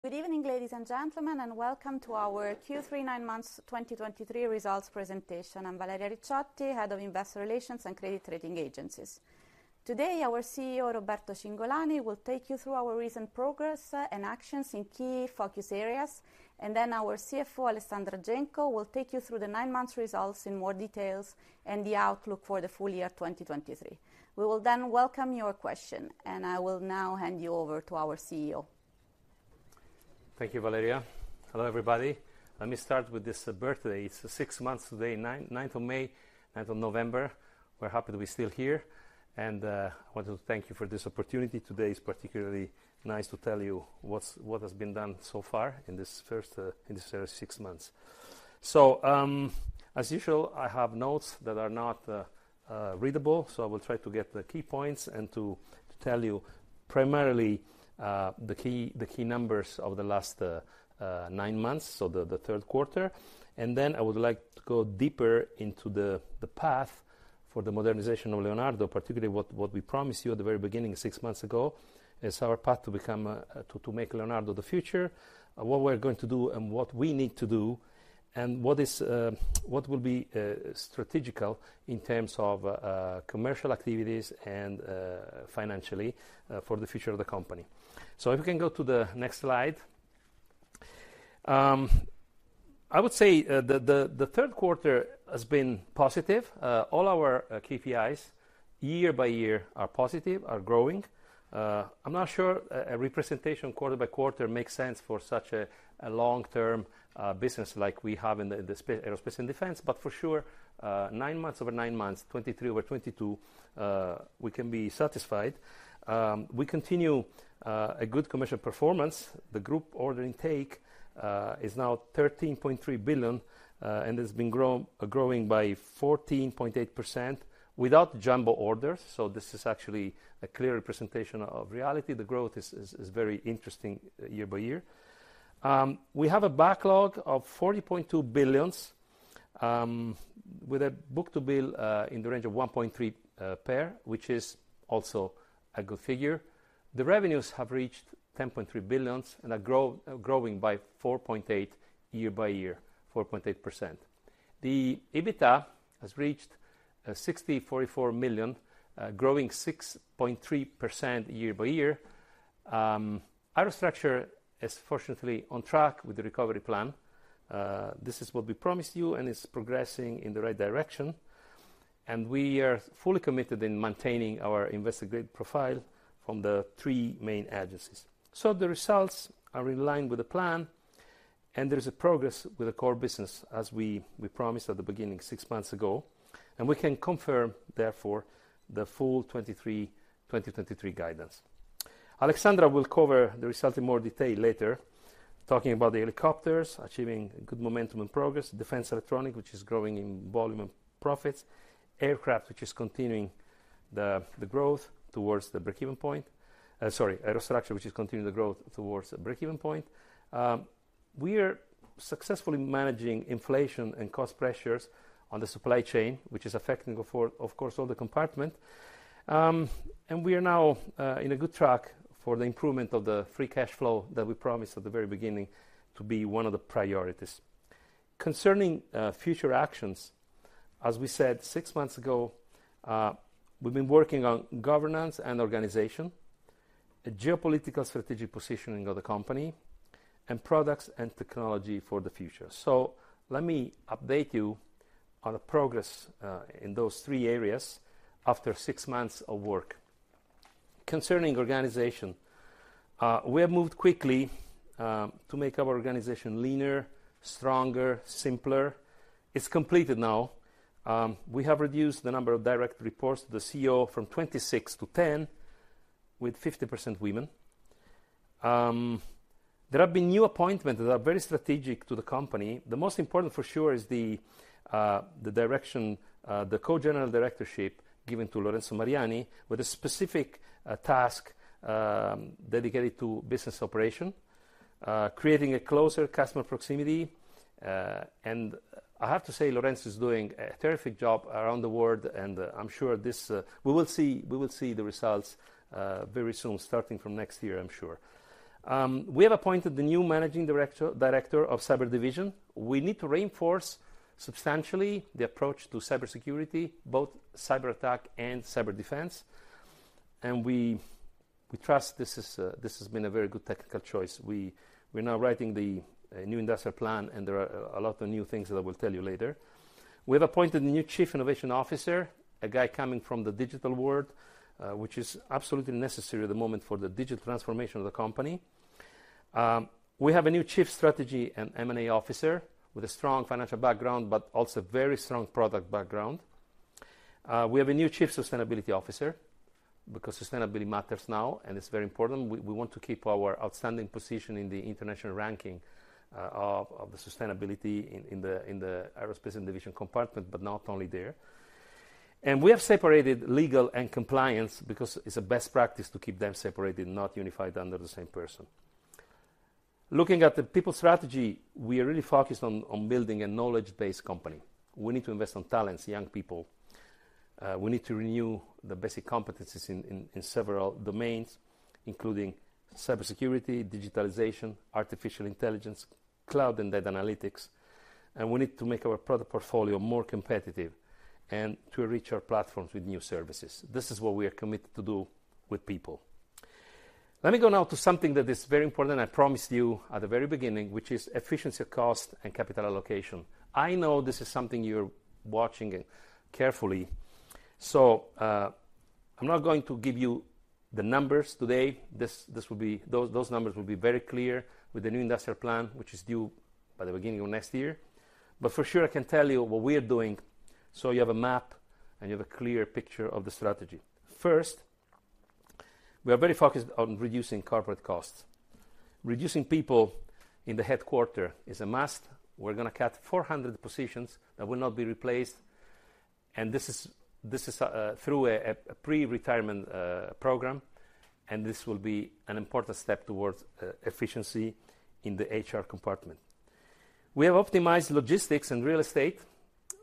Good evening, ladies and gentlemen, and welcome to our Q3/9 months 2023 results presentation. I'm Valeria Ricciotti, Head of Investor Relations and Credit Rating Agencies. Today, our CEO, Roberto Cingolani, will take you through our recent progress and actions in key focus areas, and then our CFO, Alessandra Genco, will take you through the 9-month results in more details and the outlook for the full year 2023. We will then welcome your question, and I will now hand you over to our CEO. Thank you, Valeria. Hello, everybody. Let me start with this, birthday. It's six months today, ninth of May, ninth of November. We're happy to be still here, and, I want to thank you for this opportunity. Today is particularly nice to tell you what's- what has been done so far in this first, in this first six months. So, as usual, I have notes that are not readable, so I will try to get the key points and to, to tell you primarily, the key, the key numbers of the last nine months, so the third quarter. Then I would like to go deeper into the path for the modernization of Leonardo, particularly what we promised you at the very beginning, six months ago, is our path to become, to make Leonardo the future, and what we're going to do and what we need to do, and what is, what will be, strategic in terms of, commercial activities and, financially, for the future of the company. So if you can go to the next slide. I would say, the third quarter has been positive. All our, KPIs, year-over-year, are positive, are growing. I'm not sure a representation quarter by quarter makes sense for such a long-term business like we have in the Aerospace and Defense, but for sure, nine months, over nine months, 2023 over 2022, we can be satisfied. We continue a good commercial performance. The group order intake is now 13.3 billion, and has been growing by 14.8% without jumbo orders, so this is actually a clear representation of reality. The growth is very interesting year by year. We have a backlog of 40.2 billion, with a book-to-bill in the range of 1.3x, which is also a good figure. The revenues have reached 10.3 billion and are growing by 4.8% year-over-year. The EBITDA has reached 644 million, growing 6.3% year-over-year. Aerostructures is fortunately on track with the recovery plan. This is what we promised you, and it's progressing in the right direction, and we are fully committed in maintaining our investment-grade profile from the three main agencies. So the results are in line with the plan, and there is a progress with the core business, as we promised at the beginning, six months ago, and we can confirm, therefore, the full 2023 guidance. Alessandra will cover the results in more detail later, talking about the helicopters, achieving good momentum and progress; Defense Electronics, which is growing in volume and profits; Aircraft, which is continuing the growth towards the breakeven point. Sorry, Aerostructures, which is continuing the growth towards the breakeven point. We are successfully managing inflation and cost pressures on the supply chain, which is affecting of course, all the compartments. And we are now in a good track for the improvement of the free cash flow that we promised at the very beginning to be one of the priorities. Concerning future actions, as we said six months ago, we've been working on governance and organization, the geopolitical strategic positioning of the company, and products and technology for the future. So let me update you on the progress in those three areas after six months of work. Concerning organization, we have moved quickly to make our organization leaner, stronger, simpler. It's completed now. We have reduced the number of direct reports to the CEO from 26 to 10, with 50% women. There have been new appointments that are very strategic to the company. The most important, for sure, is the direction, the co-general directorship given to Lorenzo Mariani, with a specific task dedicated to business operation, creating a closer customer proximity, and I have to say, Lorenzo is doing a terrific job around the world, and I'm sure this... We will see, we will see the results very soon, starting from next year, I'm sure. We have appointed the new managing director, director of cyber division. We need to reinforce substantially the approach to cybersecurity, both cyberattack and cyberdefense. And we trust this is, this has been a very good technical choice. We're now writing the new industrial plan, and there are a lot of new things that I will tell you later. We have appointed a new Chief Innovation Officer, a guy coming from the digital world, which is absolutely necessary at the moment for the digital transformation of the company. We have a new Chief Strategy and M&A Officer with a strong financial background, but also a very strong product background. We have a new Chief Sustainability Officer, because sustainability matters now, and it's very important. We want to keep our outstanding position in the international ranking of the sustainability in the Aerospace and Defense compartment, but not only there. And we have separated legal and compliance because it's a best practice to keep them separated, not unified under the same person. Looking at the people strategy, we are really focused on building a knowledge-based company. We need to invest on talents, young people. We need to renew the basic competencies in several domains, including cybersecurity, digitalization, artificial intelligence, cloud, and data analytics. And we need to make our product portfolio more competitive, and to enrich our platforms with new services. This is what we are committed to do with people. Let me go now to something that is very important, I promised you at the very beginning, which is efficiency of cost and capital allocation. I know this is something you're watching carefully. So, I'm not going to give you the numbers today. This, this will be those, those numbers will be very clear with the new industrial plan, which is due by the beginning of next year. But for sure, I can tell you what we are doing, so you have a map, and you have a clear picture of the strategy. First, we are very focused on reducing corporate costs. Reducing people in the headquarters is a must. We're gonna cut 400 positions that will not be replaced, and this is, this is, through a, a pre-retirement program, and this will be an important step towards efficiency in the HR compartment. We have optimized logistics and real estate.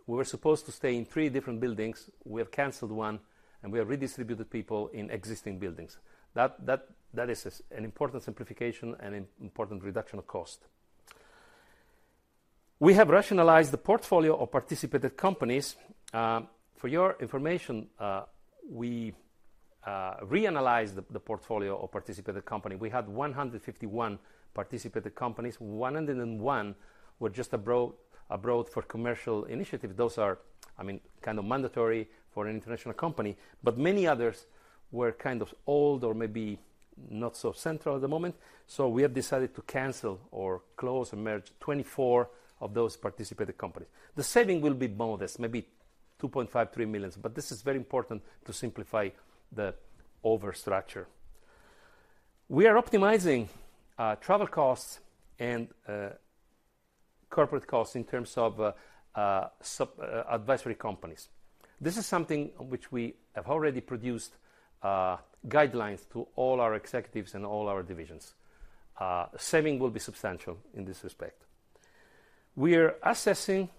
We were supposed to stay in three different buildings. We have canceled one, and we have redistributed people in existing buildings. That is an important simplification and an important reduction of cost. We have rationalized the portfolio of participated companies. For your information, we reanalyzed the portfolio of participated company. We had 151 participated companies. 101 were just abroad for commercial initiative. Those are, I mean, kind of mandatory for an international company, but many others were kind of old or maybe not so central at the moment, so we have decided to cancel or close and merge 24 of those participated companies. The saving will be modest, maybe 2.5 million-3 million, but this is very important to simplify the overstructure. We are optimizing travel costs and corporate costs in terms of sub advisory companies. This is something which we have already produced guidelines to all our executives and all our divisions. Saving will be substantial in this respect. We are assessing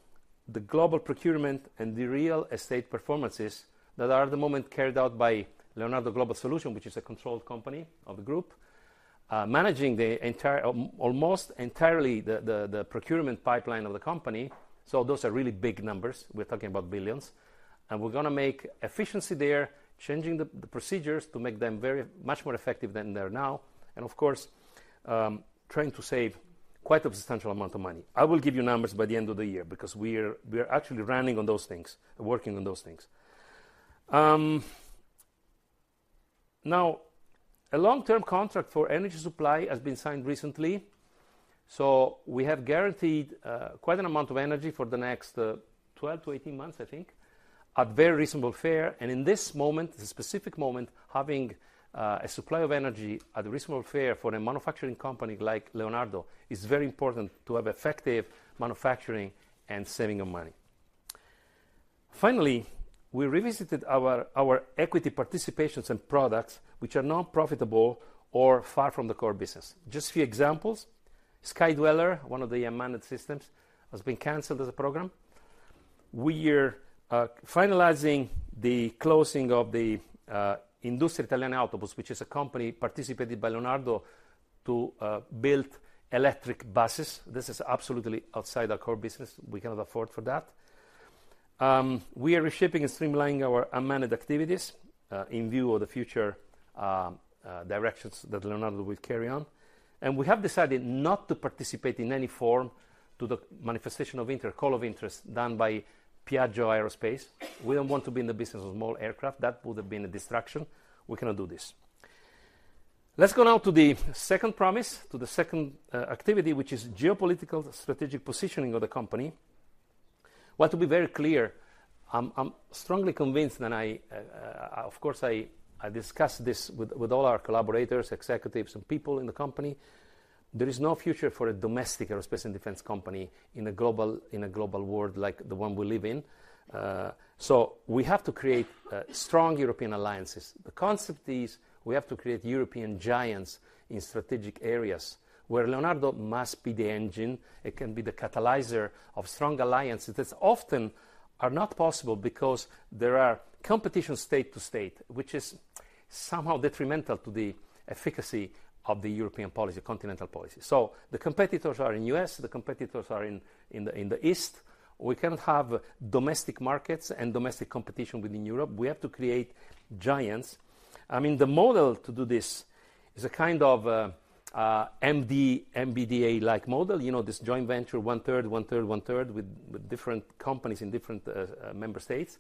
the global procurement and the real estate performances that are at the moment carried out by Leonardo Global Solutions, which is a controlled company of the group, managing the entire almost entirely the procurement pipeline of the company, so those are really big numbers. We're talking about billions, and we're gonna make efficiency there, changing the procedures to make them very much more effective than they are now, and of course, trying to save quite a substantial amount of money. I will give you numbers by the end of the year, because we are actually running on those things and working on those things. Now, a long-term contract for energy supply has been signed recently, so we have guaranteed quite an amount of energy for the next 12-18 months, I think, at very reasonable fare. In this moment, this specific moment, having a supply of energy at a reasonable fare for a manufacturing company like Leonardo, is very important to have effective manufacturing and saving of money. Finally, we revisited our, our equity participations and products, which are non-profitable or far from the core business. Just a few examples, Skydweller, one of the unmanned systems, has been canceled as a program. We are finalizing the closing of the Industria Italiana Autobus, which is a company participated by Leonardo to build electric buses. This is absolutely outside our core business. We cannot afford for that. We are reshaping and streamlining our unmanned activities in view of the future directions that Leonardo will carry on. We have decided not to participate in any form to the manifestation of call of interest done by Piaggio Aerospace. We don't want to be in the business of small aircraft. That would have been a distraction. We cannot do this. Let's go now to the second promise, to the second activity, which is geopolitical strategic positioning of the company. Well, to be very clear, I'm strongly convinced, and of course I discussed this with all our collaborators, executives, and people in the company, there is no future for a domestic aerospace and defense company in a global world like the one we live in. So we have to create strong European alliances. The concept is, we have to create European giants in strategic areas, where Leonardo must be the engine. It can be the catalyzer of strong alliances that often are not possible because there are competition state to state, which is somehow detrimental to the efficacy of the European policy, continental policy. So the competitors are in U.S., the competitors are in the East. We cannot have domestic markets and domestic competition within Europe. We have to create giants. I mean, the model to do this is a kind of MD, MBDA-like model, you know, this joint venture, one-third, one-third, one-third, with different companies in different member states,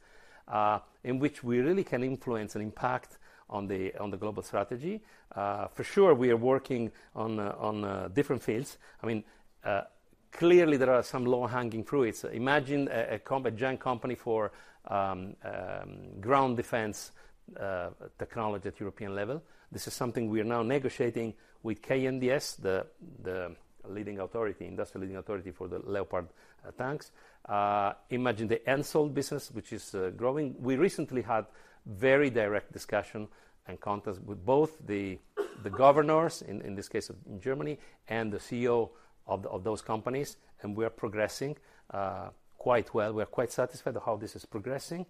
in which we really can influence and impact on the global strategy. For sure, we are working on different fields. I mean, clearly, there are some low-hanging fruits. Imagine a combat giant company for ground defense technology at European level. This is something we are now negotiating with KNDS, the leading authority, industrial leading authority for the Leopard tanks. Imagine the HENSOLDT business, which is growing. We recently had very direct discussion and contacts with both the governors, in this case, in Germany, and the CEO of those companies, and we are progressing quite well. We are quite satisfied with how this is progressing.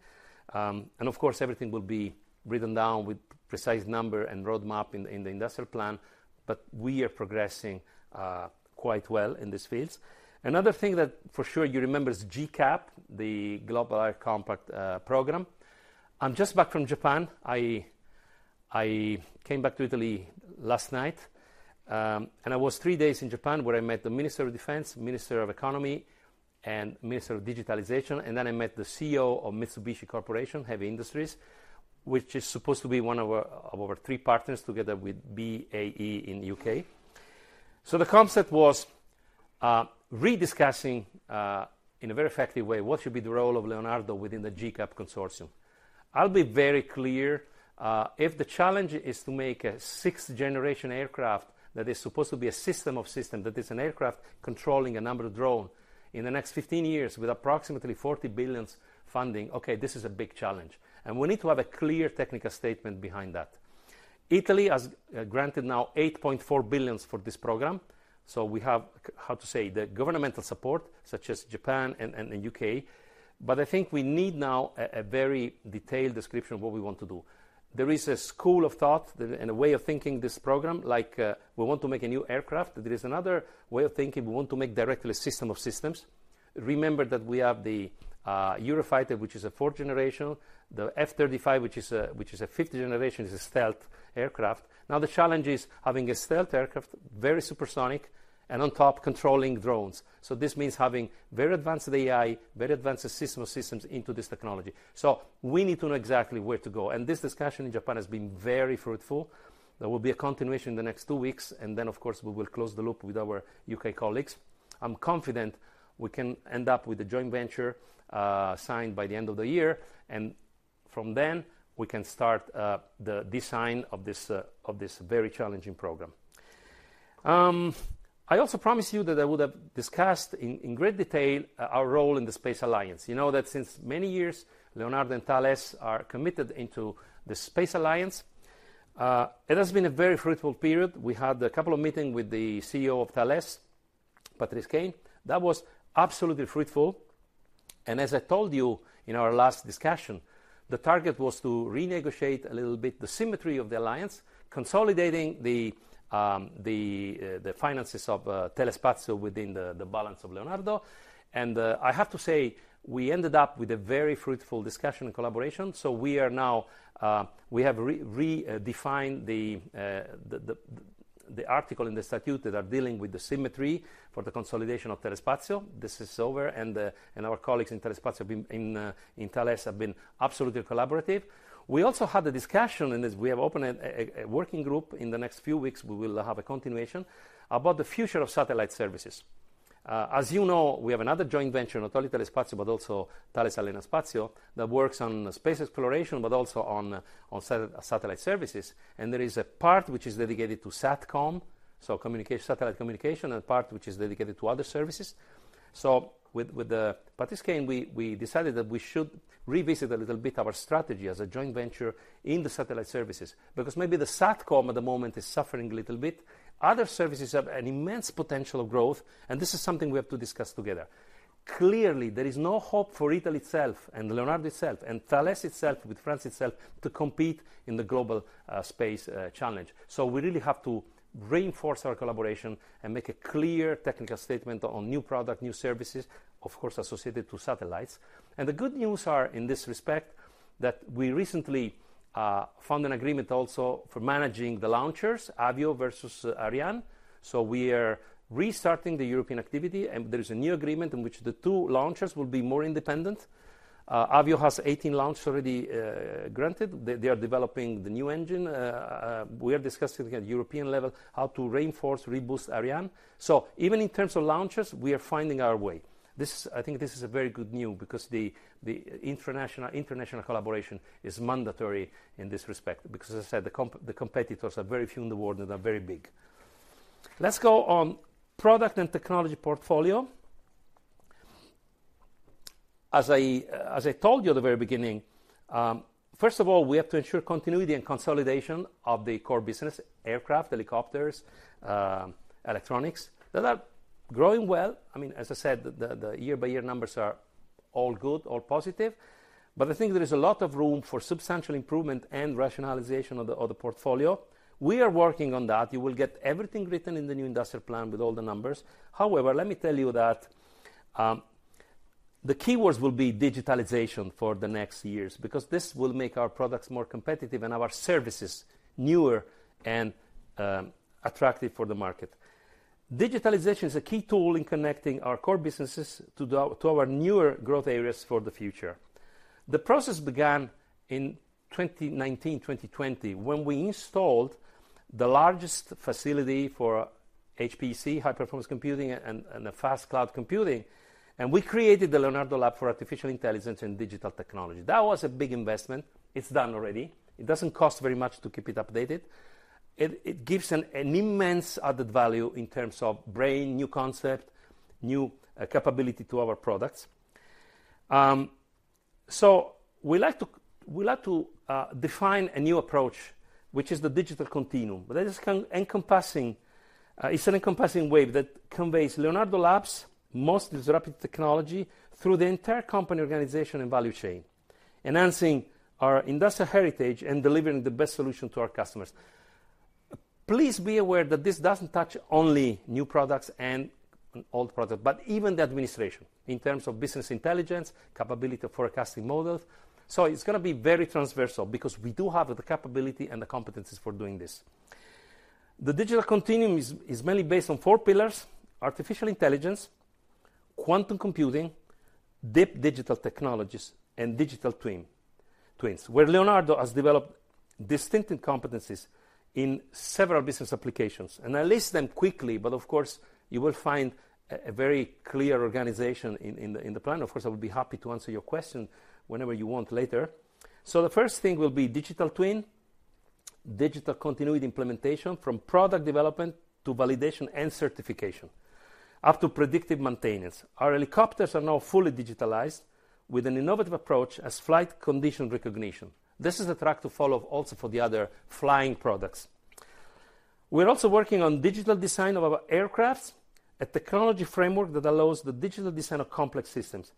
And of course, everything will be written down with precise number and roadmap in the industrial plan... but we are progressing quite well in these fields. Another thing that for sure you remember is GCAP, the Global Combat Air Program. I'm just back from Japan. I came back to Italy last night, and I was three days in Japan, where I met the Minister of Defense, Minister of Economy, and Minister of Digitalization, and then I met the CEO of Mitsubishi Heavy Industries, which is supposed to be one of our, of our three partners, together with BAE in U.K. So the concept was, rediscussing, in a very effective way, what should be the role of Leonardo within the GCAP consortium? I'll be very clear, if the challenge is to make a sixth-generation aircraft that is supposed to be a system of system, that is, an aircraft controlling a number of drone, in the next 15 years with approximately 40 billion funding, okay, this is a big challenge, and we need to have a clear technical statement behind that. Italy has granted now 8.4 billion for this program, so we have, how to say, the governmental support, such as Japan and the U.K., but I think we need now a very detailed description of what we want to do. There is a school of thought that... and a way of thinking this program, like, we want to make a new aircraft. There is another way of thinking, we want to make directly a system of systems. Remember that we have the Eurofighter, which is a fourth generation, the F-35, which is a fifth generation, is a stealth aircraft. Now, the challenge is having a stealth aircraft, very supersonic, and on top, controlling drones. So this means having very advanced AI, very advanced system of systems into this technology. So we need to know exactly where to go, and this discussion in Japan has been very fruitful. There will be a continuation in the next two weeks, and then, of course, we will close the loop with our U.K. colleagues. I'm confident we can end up with a joint venture signed by the end of the year, and from then, we can start the design of this very challenging program. I also promised you that I would have discussed in great detail our role in the Space Alliance. You know that since many years, Leonardo and Thales are committed into the Space Alliance. It has been a very fruitful period. We had a couple of meeting with the CEO of Thales, Patrice Caine. That was absolutely fruitful, and as I told you in our last discussion, the target was to renegotiate a little bit the symmetry of the alliance, consolidating the finances of Telespazio within the balance of Leonardo. And I have to say, we ended up with a very fruitful discussion and collaboration, so we are now we have redefined the article in the statute that are dealing with the symmetry for the consolidation of Telespazio. This is over, and our colleagues in Telespazio, in Thales have been absolutely collaborative. We also had a discussion, and as we have opened a working group, in the next few weeks, we will have a continuation about the future of satellite services. As you know, we have another joint venture, not only Telespazio, but also Thales Alenia Space, that works on space exploration, but also on satellite services, and there is a part which is dedicated to Satcom, so communication, satellite communication, and part which is dedicated to other services. So with Patrice Caine, we decided that we should revisit a little bit our strategy as a joint venture in the satellite services, because maybe the Satcom at the moment is suffering a little bit. Other services have an immense potential of growth, and this is something we have to discuss together. Clearly, there is no hope for Italy itself, and Leonardo itself, and Thales itself, with France itself, to compete in the global space challenge. So we really have to reinforce our collaboration and make a clear technical statement on new product, new services, of course, associated to satellites. And the good news are, in this respect, that we recently found an agreement also for managing the launchers, Avio versus Ariane. So we are restarting the European activity, and there is a new agreement in which the two launchers will be more independent. Avio has 18 launches already granted. They, they are developing the new engine. We are discussing at European level how to reinforce, reboost Ariane. So even in terms of launches, we are finding our way. This, I think this is a very good news, because the international collaboration is mandatory in this respect, because as I said, the competitors are very few in the world and are very big. Let's go on product and technology portfolio. As I told you at the very beginning, first of all, we have to ensure continuity and consolidation of the core business, aircraft, helicopters, electronics, that are growing well. I mean, as I said, the year-by-year numbers are all good, all positive, but I think there is a lot of room for substantial improvement and rationalization of the portfolio. We are working on that. You will get everything written in the new industrial plan with all the numbers. However, let me tell you that, the keywords will be digitalization for the next years, because this will make our products more competitive and our services newer and attractive for the market. Digitalization is a key tool in connecting our core businesses to our newer growth areas for the future. The process began in 2019, 2020, when we installed the largest facility for HPC, high-performance computing, and fast cloud computing, and we created the Leonardo Labs for Artificial Intelligence and Digital Technology. That was a big investment. It's done already. It doesn't cost very much to keep it updated. It gives an immense added value in terms of brain, new concept, new capability to our products. So we like to define a new approach, which is the Digital Continuum, but that is encompassing, it's an encompassing wave that conveys Leonardo Labs' most disruptive technology through the entire company, organization, and value chain, enhancing our industrial heritage and delivering the best solution to our customers. Please be aware that this doesn't touch only new products and old products, but even the administration, in terms of business intelligence, capability of forecasting models. So it's gonna be very transversal because we do have the capability and the competencies for doing this. The Digital Continuum is mainly based on four pillars: artificial intelligence, quantum computing, deep digital technologies, and Digital Twins, where Leonardo has developed distinctive competencies in several business applications. And I'll list them quickly, but of course, you will find a very clear organization in the plan. Of course, I will be happy to answer your question whenever you want later. So the first thing will be Digital Twins, Digital Continuum implementation from product development to validation and certification, up to predictive maintenance. Our helicopters are now fully digitalized, with an innovative approach as flight condition recognition. This is a track to follow also for the other flying products. We're also working on digital design of our aircraft, a technology framework that allows the digital design of complex systems.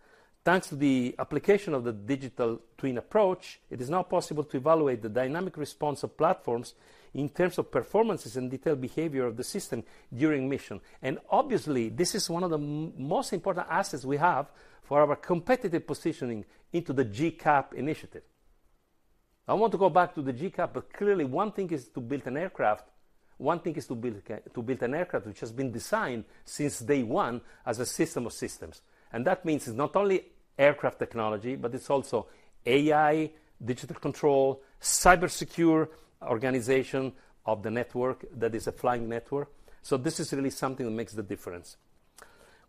Thanks to the application of the digital twin approach, it is now possible to evaluate the dynamic response of platforms in terms of performances and detailed behavior of the system during mission. Obviously, this is one of the most important assets we have for our competitive positioning into the GCAP initiative. I want to go back to the GCAP, but clearly, one thing is to build an aircraft, one thing is to build an aircraft which has been designed since day one as a system of systems. And that means it's not only aircraft technology, but it's also AI, digital control, cybersecure organization of the network that is a flying network. So this is really something that makes the difference.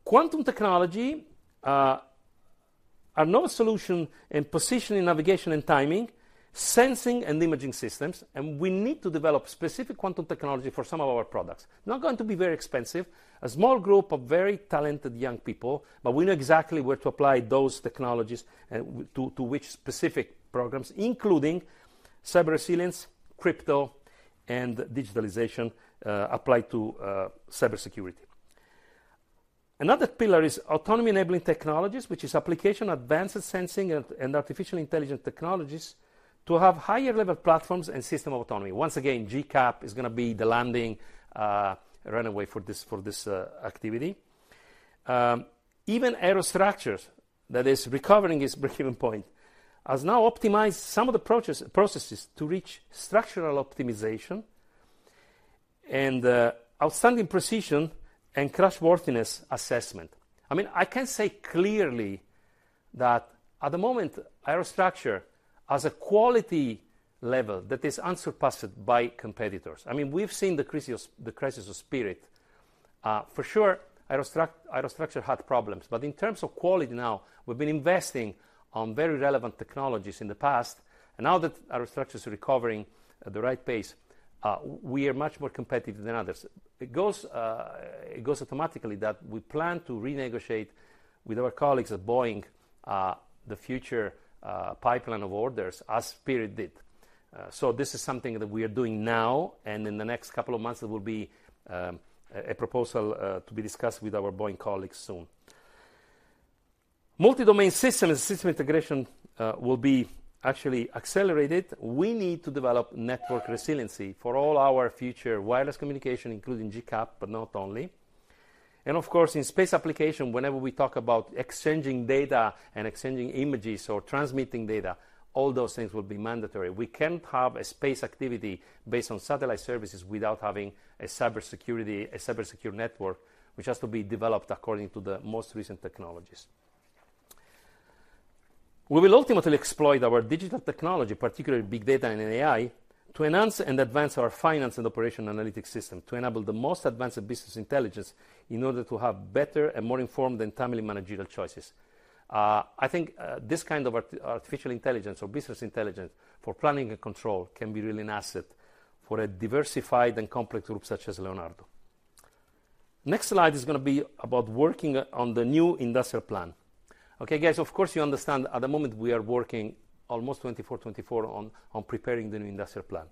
Quantum technology are now a solution in positioning, navigation, and timing, sensing and imaging systems, and we need to develop specific quantum technology for some of our products. Not going to be very expensive. A small group of very talented young people, but we know exactly where to apply those technologies and to which specific programs, including cyber resilience, crypto, and digitalization applied to cybersecurity. Another pillar is autonomy-enabling technologies, which is application, advanced sensing, and artificial intelligence technologies, to have higher level platforms and system autonomy. Once again, GCAP is gonna be the landing runway for this activity. Even Aerostructures, that is recovering its breakeven point, has now optimized some of the processes to reach structural optimization and outstanding precision and crashworthiness assessment. I mean, I can say clearly that at the moment, Aerostructures has a quality level that is unsurpassed by competitors. I mean, we've seen the crisis, the crisis of Spirit. For sure, Aerostructures had problems, but in terms of quality now, we've been investing on very relevant technologies in the past, and now that Aerostructures is recovering at the right pace, we are much more competitive than others. It goes automatically that we plan to renegotiate with our colleagues at Boeing, the future pipeline of orders, as Spirit did. So this is something that we are doing now, and in the next couple of months, there will be a proposal to be discussed with our Boeing colleagues soon. Multidomain system and system integration will be actually accelerated. We need to develop network resiliency for all our future wireless communication, including GCAP, but not only. Of course, in space application, whenever we talk about exchanging data and exchanging images or transmitting data, all those things will be mandatory. We can't have a space activity based on satellite services without having a cybersecurity, a cybersecure network, which has to be developed according to the most recent technologies. We will ultimately exploit our digital technology, particularly big data and AI, to enhance and advance our finance and operation analytics system, to enable the most advanced business intelligence in order to have better and more informed and timely managerial choices. I think this kind of artificial intelligence or business intelligence for planning and control can be really an asset for a diversified and complex group such as Leonardo. Next slide is gonna be about working on the new industrial plan. Okay, guys, of course, you understand at the moment we are working almost 24, 24 on preparing the new industrial plan.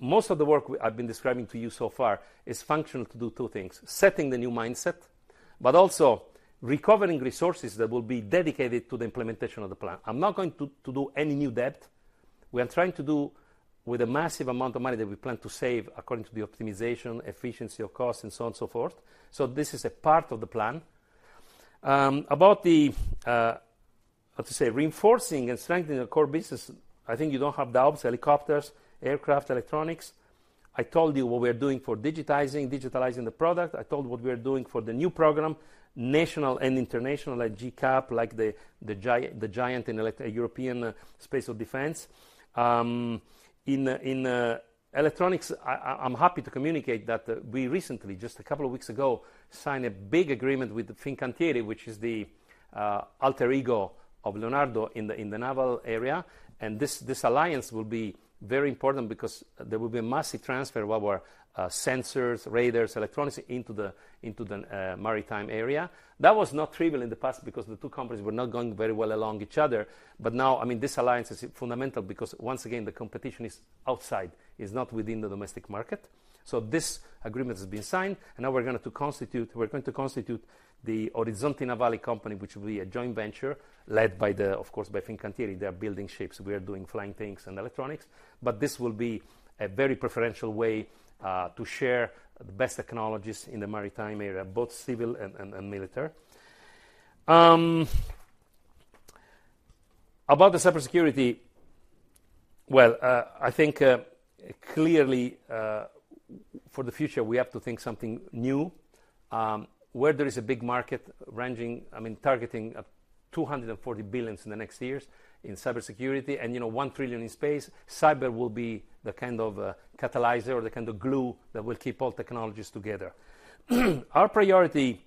Most of the work I've been describing to you so far is functional to do two things: setting the new mindset, but also recovering resources that will be dedicated to the implementation of the plan. I'm not going to do any new debt. We are trying to do with a massive amount of money that we plan to save according to the optimization, efficiency of cost, and so on and so forth. So this is a part of the plan. About reinforcing and strengthening the core business, I think you don't have doubts, helicopters, aircraft, electronics. I told you what we are doing for digitizing, digitalizing the product. I told what we are doing for the new program, national and international, like GCAP, like the giant in electronics European space of defense. In electronics, I'm happy to communicate that we recently, just a couple of weeks ago, signed a big agreement with Fincantieri, which is the alter ego of Leonardo in the naval area. This alliance will be very important because there will be a massive transfer of our sensors, radars, electronics into the maritime area. That was not trivial in the past because the two companies were not going very well along each other. But now, I mean, this alliance is fundamental because, once again, the competition is outside, is not within the domestic market. This agreement has been signed, and now we're going to constitute the Orizzonte Navale company, which will be a joint venture led by the, of course, by Fincantieri. They are building ships. We are doing flying things and electronics. But this will be a very preferential way to share the best technologies in the maritime area, both civil and military. About the cybersecurity, well, I think clearly, for the future, we have to think something new, where there is a big market, I mean, targeting 240 billion in the next years in cybersecurity, and, you know, 1 trillion in space, cyber will be the kind of catalyzer or the kind of glue that will keep all technologies together. Our priority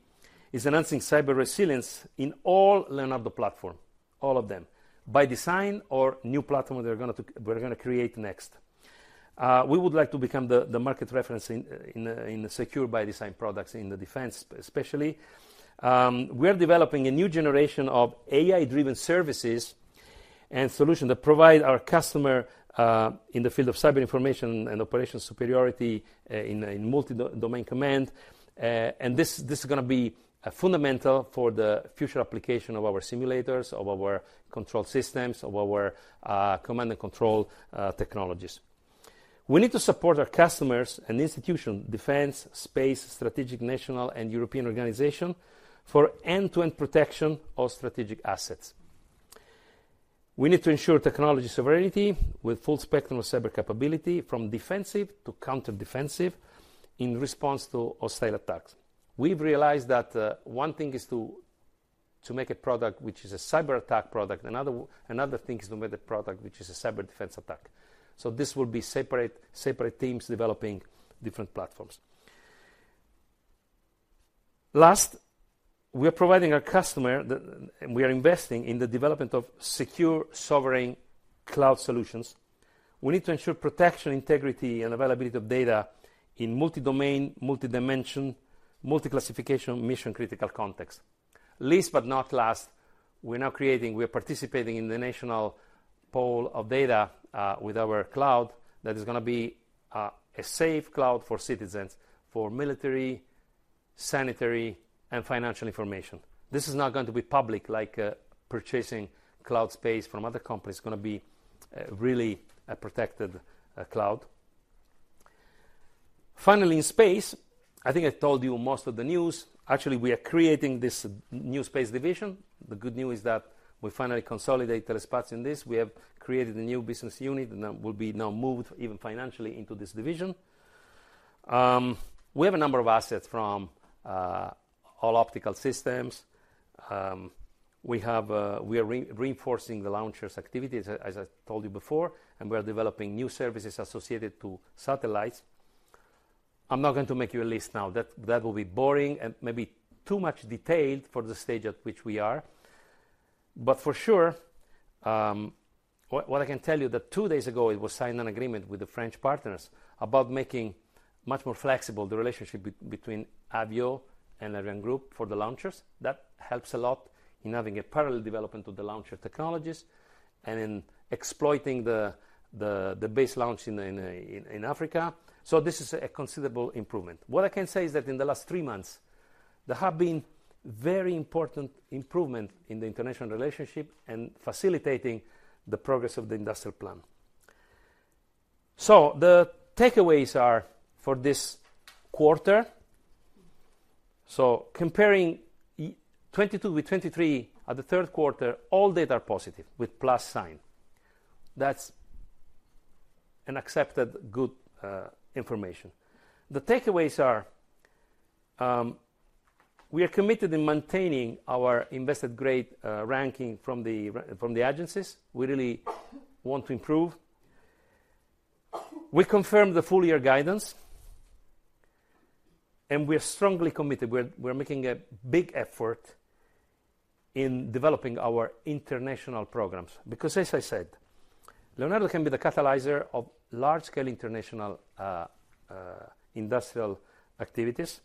is enhancing cyber resilience in all Leonardo platform, all of them, by design or new platform we're gonna create next. We would like to become the market reference in secure-by-design products, in the defense, especially. We are developing a new generation of AI-driven services and solutions that provide our customer in the field of cyber information and operational superiority in a multi-domain command. And this is gonna be fundamental for the future application of our simulators, of our control systems, of our command and control technologies. We need to support our customers and institution, defense, space, strategic, national, and European organization, for end-to-end protection of strategic assets. We need to ensure technology sovereignty with full spectrum of cyber capability, from defensive to counter-defensive, in response to hostile attacks. We've realized that one thing is to make a product which is a cyberattack product, another thing is to make a product which is a cyber defense attack. So this will be separate, separate teams developing different platforms. Last, we are providing our customer the... And we are investing in the development of secure, sovereign cloud solutions. We need to ensure protection, integrity, and availability of data in multi-domain, multi-dimension, multi-classification, mission-critical context. Last but not least, we are participating in the national pool of data with our cloud. That is gonna be a safe cloud for citizens, for military, sanitary, and financial information. This is not going to be public, like, purchasing cloud space from other companies. It's gonna be really a protected cloud. Finally, in space, I think I told you most of the news. Actually, we are creating this new Space Division. The good news is that we finally consolidated Thales Alenia Space in this. We have created a new business unit, and that will be now moved, even financially, into this division. We have a number of assets from all optical systems. We have, we are reinforcing the launchers activities, as I told you before, and we are developing new services associated to satellites. I'm not going to make you a list now. That will be boring and maybe too much detailed for the stage at which we are. But for sure, what I can tell you that two days ago, it was signed an agreement with the French partners about making much more flexible the relationship between Avio and Ariane Group for the launchers. That helps a lot in having a parallel development of the launcher technologies and in exploiting the base launch in Africa. So this is a considerable improvement. What I can say is that in the last three months, there have been very important improvement in the international relationship and facilitating the progress of the industrial plan. So the takeaways are, for this quarter, so comparing 2022 with 2023, at the third quarter, all data are positive, with plus sign. That's an accepted good information. The takeaways are, we are committed in maintaining our investment-grade ranking from the agencies. We really want to improve. We confirm the full-year guidance, and we are strongly committed. We're making a big effort in developing our international programs, because, as I said, Leonardo can be the catalyst of large-scale international industrial activities.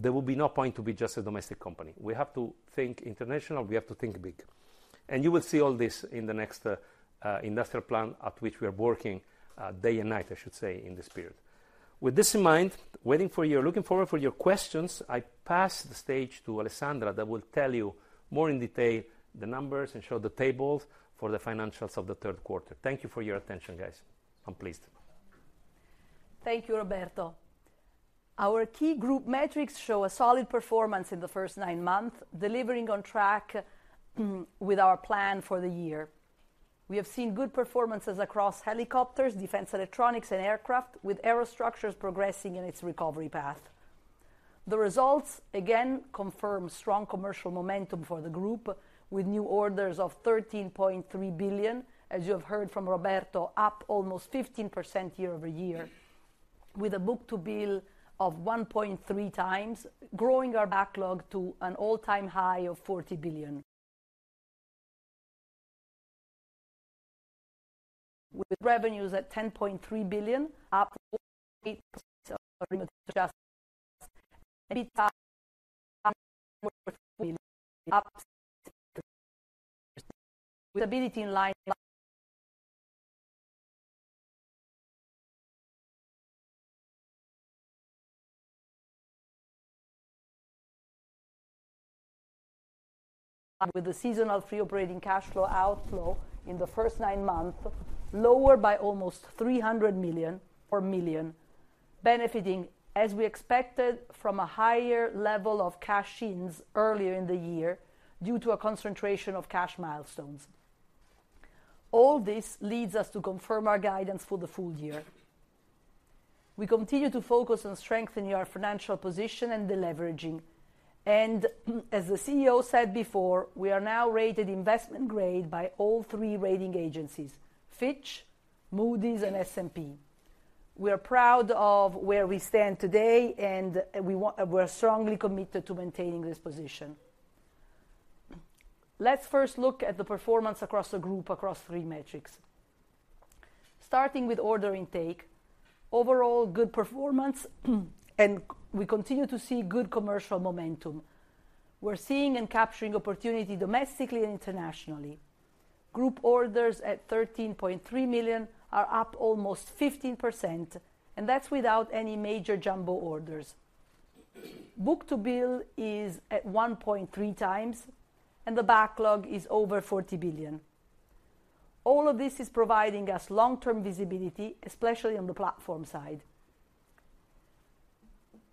There will be no point to be just a domestic company. We have to think international, we have to think big. You will see all this in the next industrial plan, at which we are working day and night, I should say, in this period. With this in mind, waiting for your—looking forward for your questions, I pass the stage to Alessandra, that will tell you more in detail the numbers and show the tables for the financials of the third quarter. Thank you for your attention, guys. I'm pleased. Thank you, Roberto. Our key group metrics show a solid performance in the first 9 months, delivering on track, with our plan for the year. We have seen good performances across helicopters, defense electronics, and aircraft, with Aerostructures progressing in its recovery path. The results again confirm strong commercial momentum for the group, with new orders of 13.3 billion, as you have heard from Roberto, up almost 15% year-over-year, with a book-to-bill of 1.3 times, growing our backlog to an all-time high of 40 billion. With revenues at EUR 10.3 billion, up 8% with the seasonal free operating cash flow outflow in the first 9 months, lower by almost 300 million, benefiting, as we expected, from a higher level of cash-ins earlier in the year, due to a concentration of cash milestones. All this leads us to confirm our guidance for the full year. We continue to focus on strengthening our financial position and deleveraging, and as the CEO said before, we are now rated investment grade by all three rating agencies, Fitch, Moody's, and S&P. We are proud of where we stand today, and we're strongly committed to maintaining this position. Let's first look at the performance across the group, across three metrics. Starting with order intake, overall good performance, and we continue to see good commercial momentum. We're seeing and capturing opportunity domestically and internationally. Group orders at 13.3 million are up almost 15%, and that's without any major jumbo orders. Book-to-bill is at 1.3x, and the backlog is over 40 billion. All of this is providing us long-term visibility, especially on the platform side.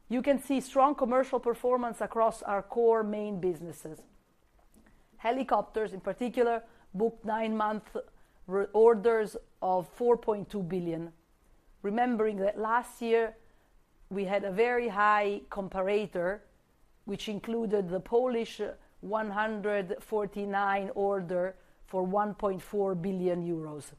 You can see strong commercial performance across our core main businesses. Helicopters, in particular, booked 9-month reorders of 4.2 billion. Remembering that last year, we had a very high comparator, which included the Polish 149 order for 1.4 billion euros.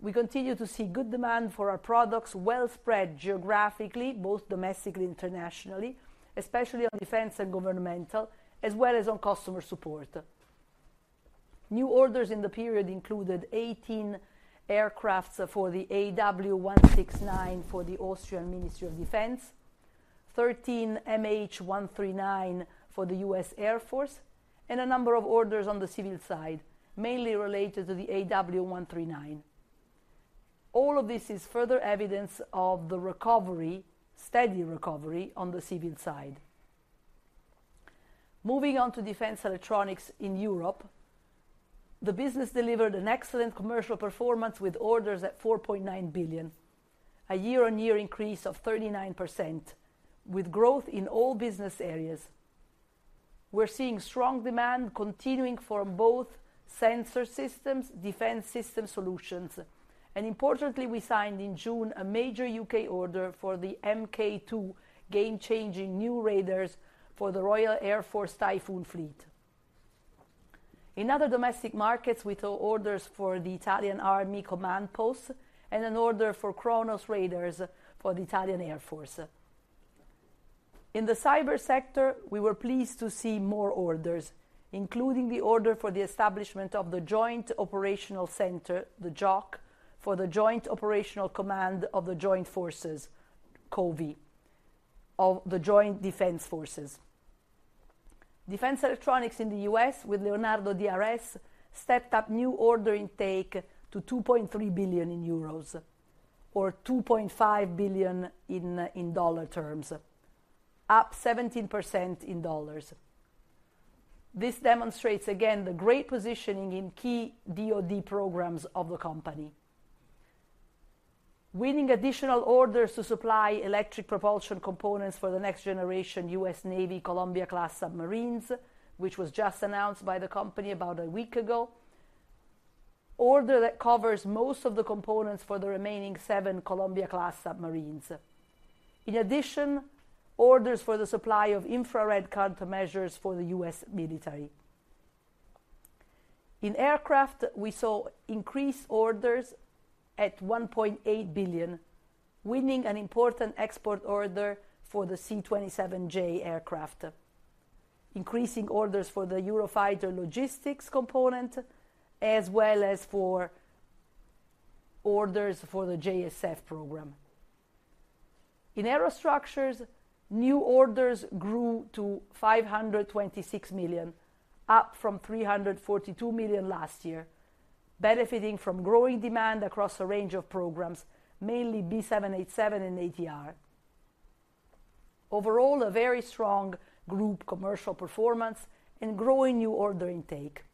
We continue to see good demand for our products, well-spread geographically, both domestically and internationally, especially on defense and governmental, as well as on customer support. New orders in the period included 18 aircrafts for the AW169 for the Austrian Ministry of Defense, 13 MH-139 for the U.S. Air Force, and a number of orders on the civil side, mainly related to the AW139. All of this is further evidence of the recovery, steady recovery, on the civil side. Moving on to defense electronics in Europe, the business delivered an excellent commercial performance with orders at 4.9 billion, a year-on-year increase of 39%, with growth in all business areas. We're seeing strong demand continuing for both sensor systems, defense system solutions, and importantly, we signed in June a major U.K. order for the Mk2 game-changing new radars for the Royal Air Force Typhoon fleet. In other domestic markets, we took orders for the Italian Army command post and an order for Kronos radars for the Italian Air Force. In the cyber sector, we were pleased to see more orders, including the order for the establishment of the Joint Operational Center, the JOC, for the Joint Operational Command of the Joint Forces, COVI, of the Joint Defense Forces. Defense electronics in the U.S., with Leonardo DRS, stepped up new order intake to 2.3 billion euros, or $2.5 billion in dollar terms, up 17% in dollars. This demonstrates again, the great positioning in key DoD programs of the company. Winning additional orders to supply electric propulsion components for the next-generation U.S. Navy Columbia-class submarines, which was just announced by the company about a week ago. Order that covers most of the components for the remaining 7 Columbia-class submarines. In addition, orders for the supply of infrared countermeasures for the U.S. military. In aircraft, we saw increased orders at 1.8 billion, winning an important export order for the C-27J aircraft, increasing orders for the Eurofighter logistics component, as well as for orders for the JSF program. In Aerostructures, new orders grew to 526 million, up from 342 million last year, benefiting from growing demand across a range of programs, mainly B787 and ATR. Overall, a very strong group commercial performance and growing new order intake.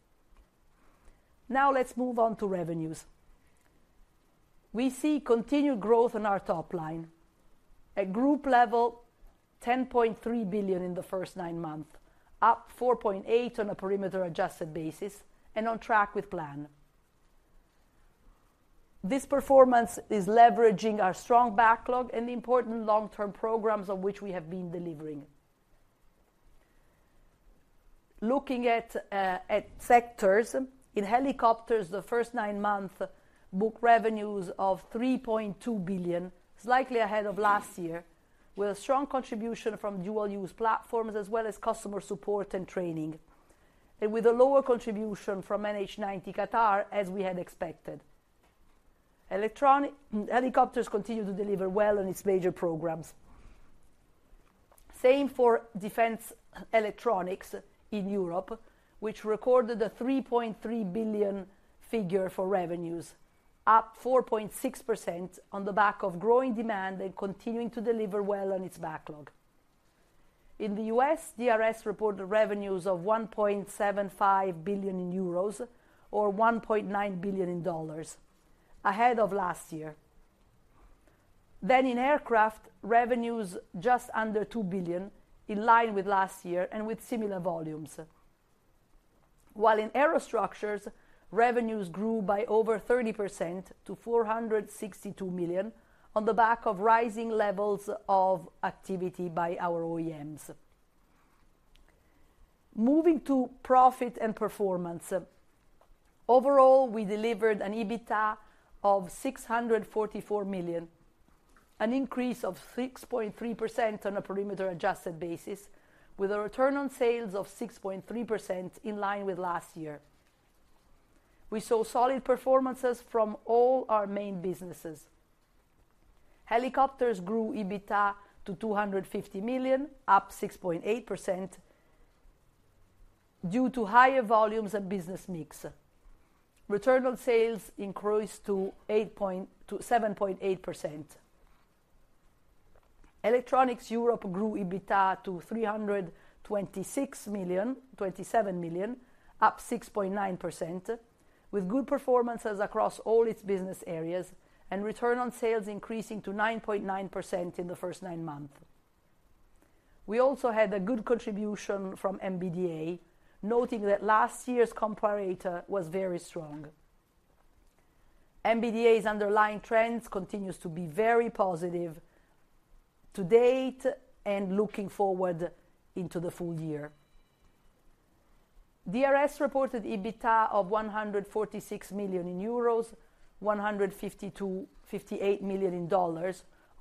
Now, let's move on to revenues. We see continued growth on our top line. At group level, 10.3 billion in the first nine months, up 4.8% on a perimeter adjusted basis, and on track with plan. This performance is leveraging our strong backlog and the important long-term programs on which we have been delivering. Looking at sectors, in helicopters, the first nine-month book revenues of 3.2 billion, slightly ahead of last year, with a strong contribution from dual-use platforms, as well as customer support and training, and with a lower contribution from NH90 Qatar, as we had expected. Electronics. Helicopters continue to deliver well on its major programs. Same for defense electronics in Europe, which recorded a 3.3 billion figure for revenues, up 4.6% on the back of growing demand and continuing to deliver well on its backlog. In the U.S., DRS reported revenues of 1.75 billion euros, or $1.9 billion, ahead of last year. Then in Aircraft, revenues just under 2 billion, in line with last year and with similar volumes. While in Aerostructures, revenues grew by over 30% to 462 million, on the back of rising levels of activity by our OEMs. Moving to profit and performance, overall, we delivered an EBITDA of 644 million, an increase of 6.3% on a perimeter adjusted basis, with a return on sales of 6.3% in line with last year. We saw solid performances from all our main businesses. Helicopters grew EBITDA to 250 million, up 6.8%, due to higher volumes and business mix. Return on sales increased to 7.8%. Electronics Europe grew EBITDA to 326 million, up 27 million, up 6.9%, with good performances across all its business areas, and return on sales increasing to 9.9% in the first 9 months. We also had a good contribution from MBDA, noting that last year's comparator was very strong. MBDA's underlying trends continues to be very positive to date and looking forward into the full year. DRS reported EBITDA of 146 million euros ($150-$158 million),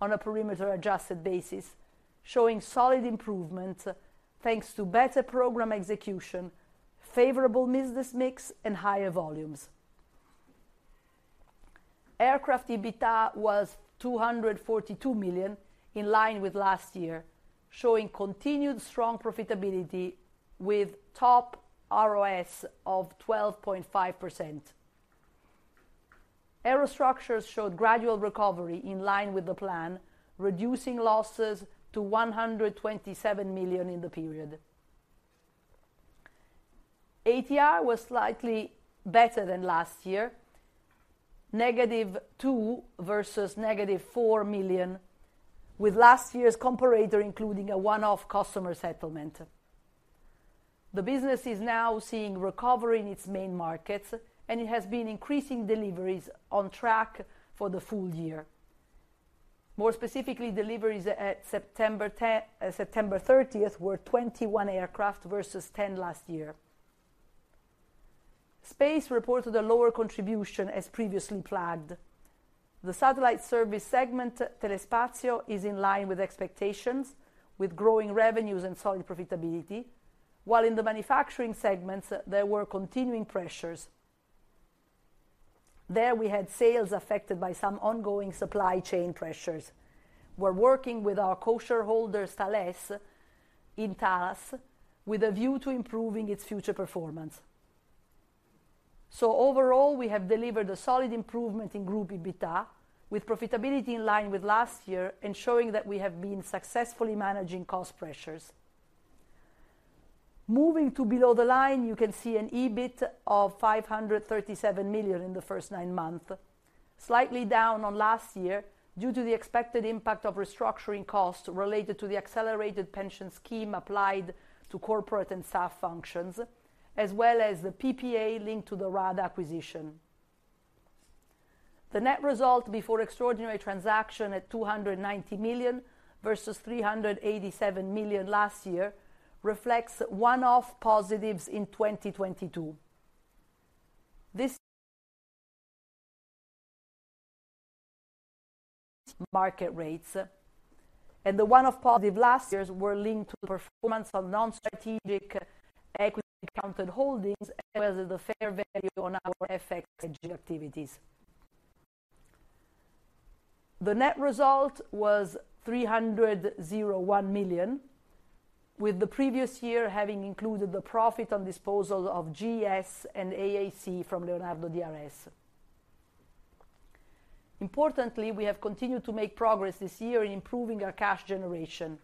on a perimeter adjusted basis, showing solid improvement, thanks to better program execution, favorable business mix, and higher volumes. Aircraft EBITDA was 242 million, in line with last year, showing continued strong profitability with top ROS of 12.5%. Aerostructures showed gradual recovery in line with the plan, reducing losses to 127 million in the period. ATR was slightly better than last year, negative 2 million versus negative 4 million, with last year's comparator, including a one-off customer settlement. The business is now seeing recovery in its main markets, and it has been increasing deliveries on track for the full year. More specifically, deliveries at September 30th were 21 aircraft versus 10 last year. Space reported a lower contribution as previously flagged. The satellite service segment, Telespazio, is in line with expectations, with growing revenues and solid profitability, while in the manufacturing segments, there were continuing pressures. There, we had sales affected by some ongoing supply chain pressures. We're working with our co-shareholder, Thales, in Thales, with a view to improving its future performance. So overall, we have delivered a solid improvement in group EBITDA, with profitability in line with last year and showing that we have been successfully managing cost pressures. Moving to below the line, you can see an EBIT of 537 million in the first nine months, slightly down on last year due to the expected impact of restructuring costs related to the accelerated pension scheme applied to corporate and staff functions, as well as the PPA linked to the RADA acquisition. The net result before extraordinary transactions at 290 million, versus 387 million last year, reflects one-off positives in 2022. These market rates, and the one-off positives last year were linked to the performance of non-strategic equity accounted holdings, as well as the fair value on our FX hedging activities. The net result was 301 million, with the previous year having included the profit on disposal of GES and AAC from Leonardo DRS. Importantly, we have continued to make progress this year in improving our cash generation.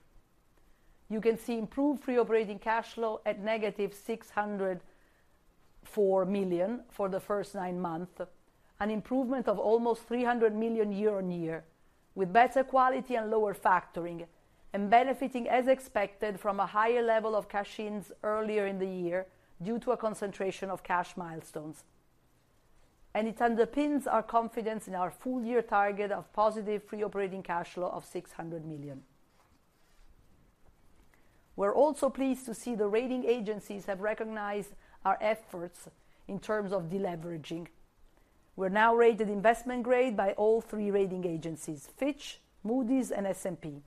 You can see improved free operating cash flow at -604 million for the first nine months, an improvement of almost 300 million year-on-year, with better quality and lower factoring, and benefiting, as expected, from a higher level of cash-ins earlier in the year due to a concentration of cash milestones. It underpins our confidence in our full year target of positive free operating cash flow of 600 million. We're also pleased to see the rating agencies have recognized our efforts in terms of deleveraging. We're now rated investment grade by all three rating agencies, Fitch, Moody's, and S&P.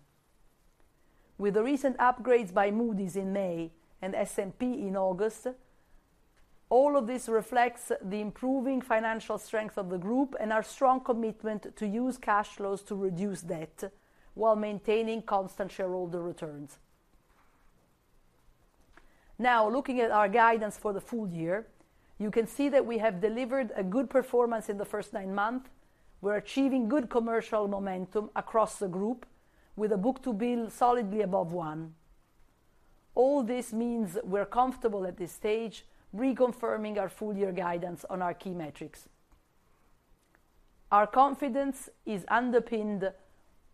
With the recent upgrades by Moody's in May and S&P in August, all of this reflects the improving financial strength of the group and our strong commitment to use cash flows to reduce debt while maintaining constant shareholder returns. Now, looking at our guidance for the full year, you can see that we have delivered a good performance in the first nine months. We're achieving good commercial momentum across the group, with a book-to-bill solidly above one. All this means we're comfortable at this stage, reconfirming our full year guidance on our key metrics. Our confidence is underpinned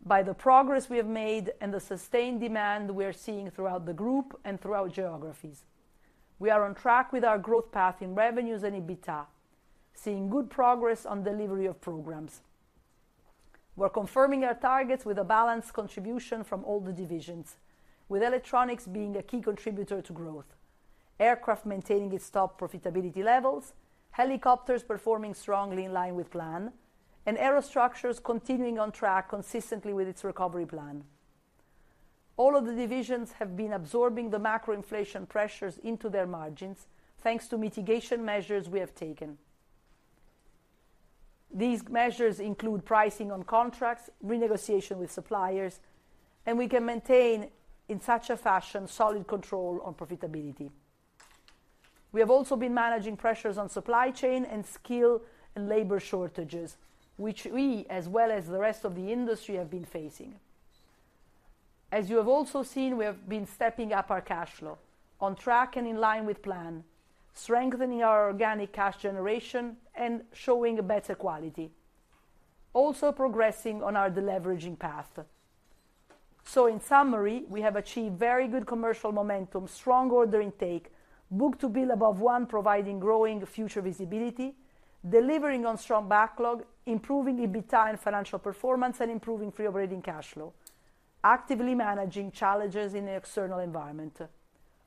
by the progress we have made and the sustained demand we are seeing throughout the group and throughout geographies. We are on track with our growth path in revenues and EBITDA, seeing good progress on delivery of programs. We're confirming our targets with a balanced contribution from all the divisions, with electronics being a key contributor to growth. Aircraft maintaining its top profitability levels, helicopters performing strongly in line with plan, and Aerostructures continuing on track consistently with its recovery plan. All of the divisions have been absorbing the macro inflation pressures into their margins, thanks to mitigation measures we have taken. These measures include pricing on contracts, renegotiation with suppliers, and we can maintain, in such a fashion, solid control on profitability. We have also been managing pressures on supply chain and skill and labor shortages, which we, as well as the rest of the industry, have been facing. As you have also seen, we have been stepping up our cash flow, on track and in line with plan, strengthening our organic cash generation and showing a better quality. Also progressing on our deleveraging path. In summary, we have achieved very good commercial momentum, strong order intake, book-to-bill above 1, providing growing future visibility, delivering on strong backlog, improving EBITDA and financial performance, and improving free operating cash flow. Actively managing challenges in the external environment,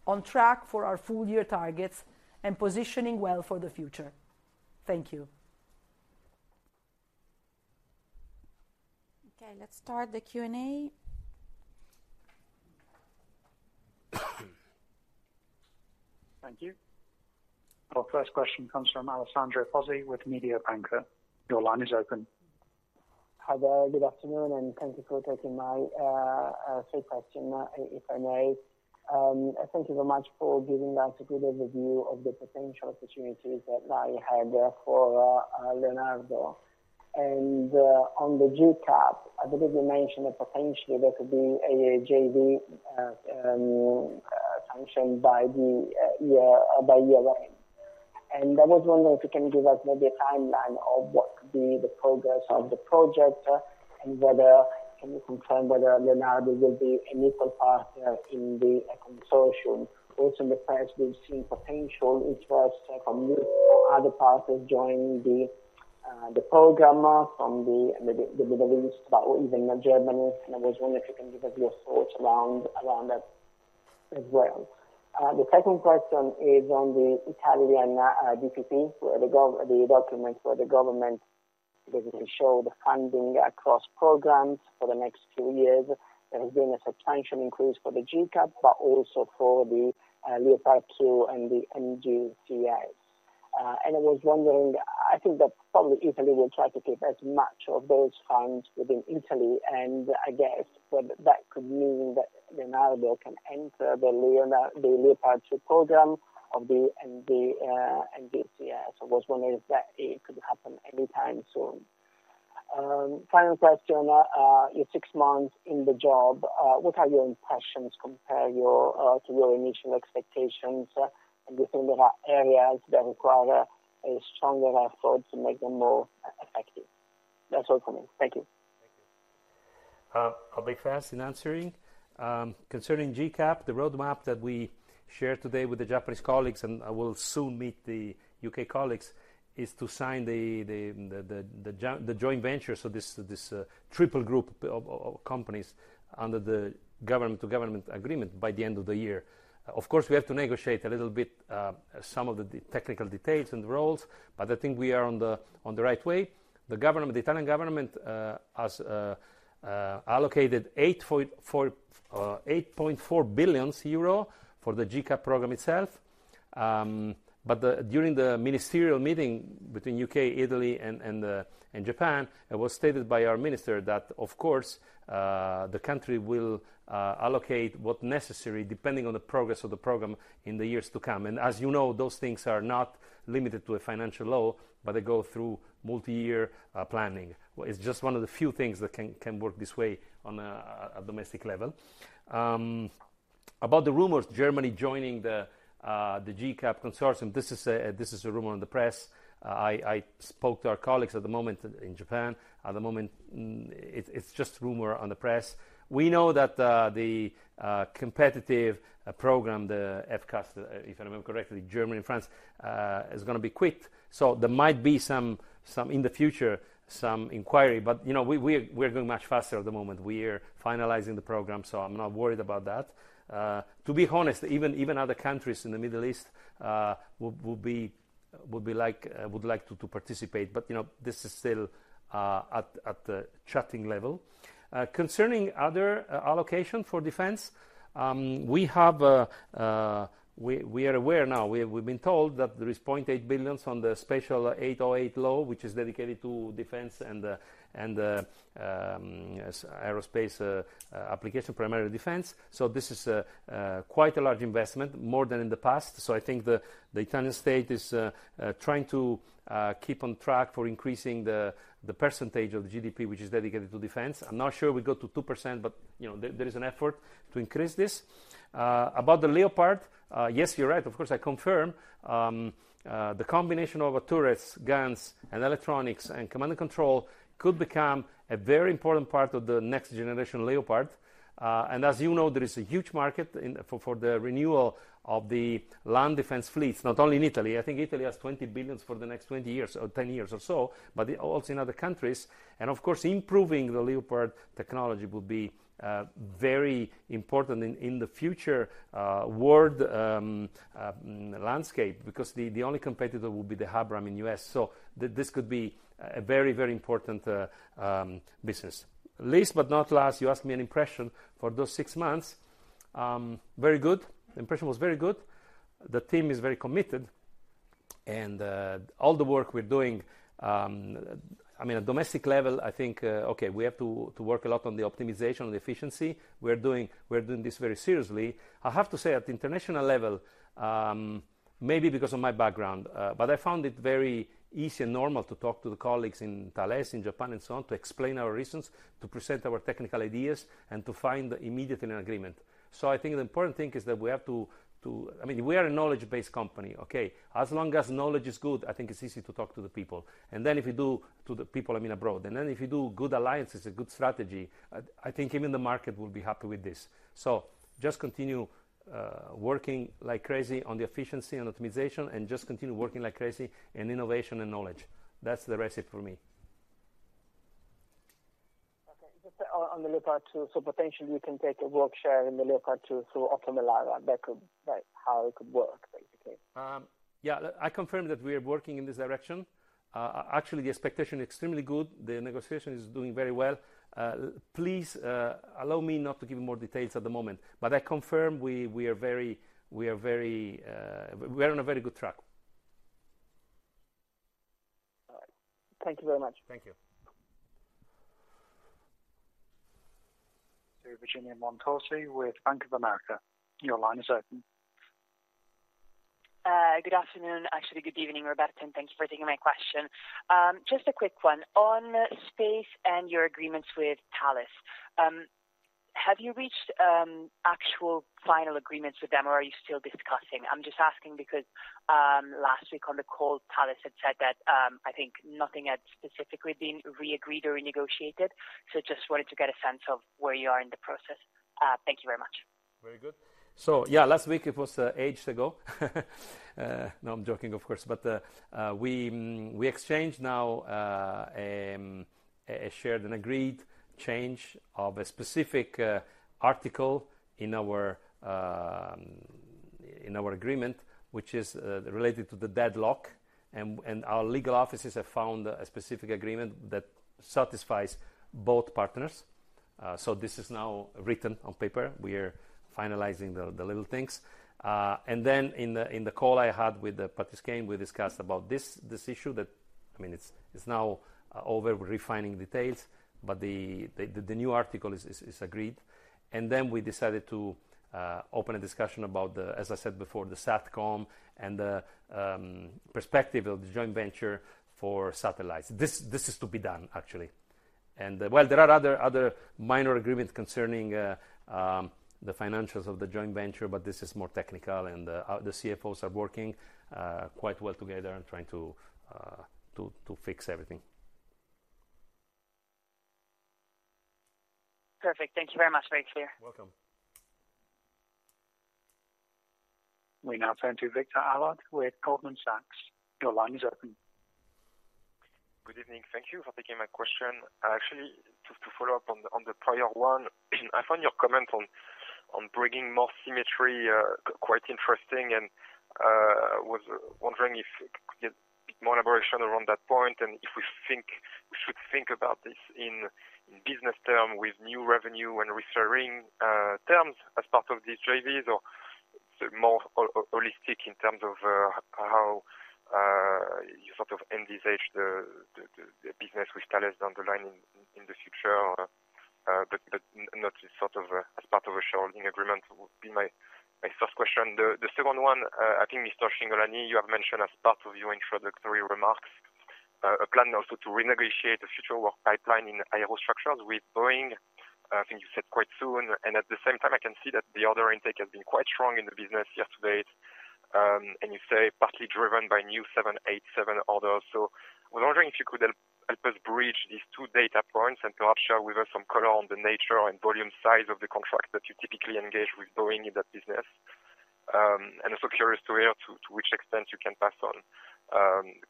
on track for our full year targets and positioning well for the future. Thank you. Okay, let's start the Q&A. Thank you. Our first question comes from Alessandro Pozzi with Mediobanca. Your line is open. Hi there, good afternoon, and thank you for taking my three questions, if I may. Thank you very much for giving us a good overview of the potential opportunities that lie ahead for Leonardo. And on the GCAP, I believe you mentioned that potentially there could be a JV sanctioned by the year, by year-end. And I was wondering if you can give us maybe a timeline of what could be the progress of the project, and whether you can confirm whether Leonardo will be an equal partner in the consortium. Also, in the past, we've seen potential in terms of other parties joining the program from the Middle East, but even Germany. And I was wondering if you can give us your thoughts around that as well. The second question is on the Italian DPP, where the document where the government basically show the funding across programs for the next two years. There has been a substantial increase for the GCAP, but also for the Leopard 2 and the MGCS. And I was wondering, I think that probably Italy will try to keep as much of those funds within Italy, and I guess whether that could mean that Leonardo can enter the Leopard 2 program of the MG, MGCS. I was wondering if that it could happen anytime soon. Final question, you're six months in the job, what are your impressions compared your to your initial expectations? And do you think there are areas that require a stronger effort to make them more effective? That's all for me. Thank you. I'll be fast in answering. Concerning GCAP, the roadmap that we shared today with the Japanese colleagues, and I will soon meet the U.K. colleagues, is to sign the joint venture, so this triple group of companies under the government-to-government agreement by the end of the year. Of course, we have to negotiate a little bit some of the technical details and roles, but I think we are on the right way. The government, the Italian government, has allocated 8.4 billion euro for the GCAP program itself. But, during the ministerial meeting between U.K., Italy, and Japan, it was stated by our minister that, of course, the country will allocate what necessary, depending on the progress of the program in the years to come. And as you know, those things are not limited to a financial law, but they go through multiyear planning. It's just one of the few things that can work this way on a domestic level. ...About the rumors, Germany joining the GCAP consortium, this is a, this is a rumor in the press. I spoke to our colleagues at the moment in Japan. At the moment, it's just rumor on the press. We know that the competitive program, the FCAS, if I remember correctly, Germany and France is gonna be quit. So there might be some, some, in the future, some inquiry, but you know, we're going much faster at the moment. We're finalizing the program, so I'm not worried about that. To be honest, even other countries in the Middle East would be like would like to participate. But you know, this is still at the chatting level. Concerning other allocation for defense, we are aware now. We've been told that there is 0.8 billion on the special 808 law, which is dedicated to defense and aerospace application, primarily defense. So this is quite a large investment, more than in the past. So I think the Italian state is trying to keep on track for increasing the percentage of the GDP, which is dedicated to defense. I'm not sure we go to 2%, but, you know, there is an effort to increase this. About the Leopard, yes, you're right. Of course, I confirm, the combination of turrets, guns, and electronics and command and control could become a very important part of the next generation Leopard. And as you know, there is a huge market for the renewal of the land defense fleets, not only in Italy, I think Italy has 20 billion for the next 20 years or 10 years or so, but also in other countries. And of course, improving the Leopard technology will be very important in the future world landscape, because the only competitor will be the Abrams in U.S. So this could be a very, very important business. Last but not least, you asked me an impression for those 6 months. Very good. Impression was very good. The team is very committed, and all the work we're doing, I mean, at domestic level, I think, okay, we have to work a lot on the optimization and the efficiency. We're doing this very seriously. I have to say, at the international level, maybe because of my background, but I found it very easy and normal to talk to the colleagues in Thales, in Japan and so on, to explain our reasons, to present our technical ideas, and to find immediately an agreement. So I think the important thing is that we have to I mean, we are a knowledge-based company, okay? As long as knowledge is good, I think it's easy to talk to the people. And then if you do to the people, I mean, abroad. And then if you do good alliances, a good strategy, I think even the market will be happy with this. So just continue, working like crazy on the efficiency and optimization, and just continue working like crazy in innovation and knowledge. That's the recipe for me. Okay. Just on the Leopard 2, so potentially we can take a work share in the Leopard 2 through Otokar, that could, like, how it could work, basically? Yeah, I confirm that we are working in this direction. Actually, the expectation extremely good. The negotiation is doing very well. Please, allow me not to give you more details at the moment, but I confirm we are very on a very good track. All right. Thank you very much. Thank you. To Virginia Montorsi with Bank of America. Your line is open. Good afternoon. Actually, good evening, Roberto, and thanks for taking my question. Just a quick one. On space and your agreements with Thales, have you reached actual final agreements with them, or are you still discussing? I'm just asking because last week on the call, Thales had said that I think nothing had specifically been re-agreed or renegotiated. So just wanted to get a sense of where you are in the process. Thank you very much. Very good. So yeah, last week it was ages ago. No, I'm joking, of course. But we exchanged now a shared and agreed change of a specific article in our agreement, which is related to the deadlock, and our legal offices have found a specific agreement that satisfies both partners. So this is now written on paper. We are finalizing the little things. And then in the call I had with the Patrice Caine, we discussed about this issue that, I mean, it's now over, we're refining details, but the new article is agreed. And then we decided to open a discussion about the, as I said before, the SATCOM and the perspective of the joint venture for satellites. This is to be done, actually. Well, there are other minor agreements concerning the financials of the joint venture, but this is more technical, and the CFOs are working quite well together and trying to fix everything. Perfect. Thank you very much. Very clear. Welcome. We now turn to Victor Allard with Goldman Sachs. Your line is open. Good evening. Thank you for taking my question. Actually, just to follow up on the prior one, I found your comment on bringing more symmetry quite interesting, and was wondering if you could get a bit more elaboration around that point, and if we think we should think about this in business term with new revenue and referring terms as part of these JVs, or more holistic in terms of how you sort of envisage the business with Thales down the line in the future, but not as sort of as part of a sharing agreement. That would be my first question. The second one, I think Mr. Cingolani, you have mentioned as part of your introductory remarks a plan also to renegotiate the future work pipeline in Aerostructures with Boeing. I think you said quite soon, and at the same time, I can see that the order intake has been quite strong in the business year-to-date, and you say partly driven by new 787 orders. So I was wondering if you could help us bridge these two data points and perhaps share with us some color on the nature and volume size of the contract that you typically engage with Boeing in that business. And also curious to hear to which extent you can pass on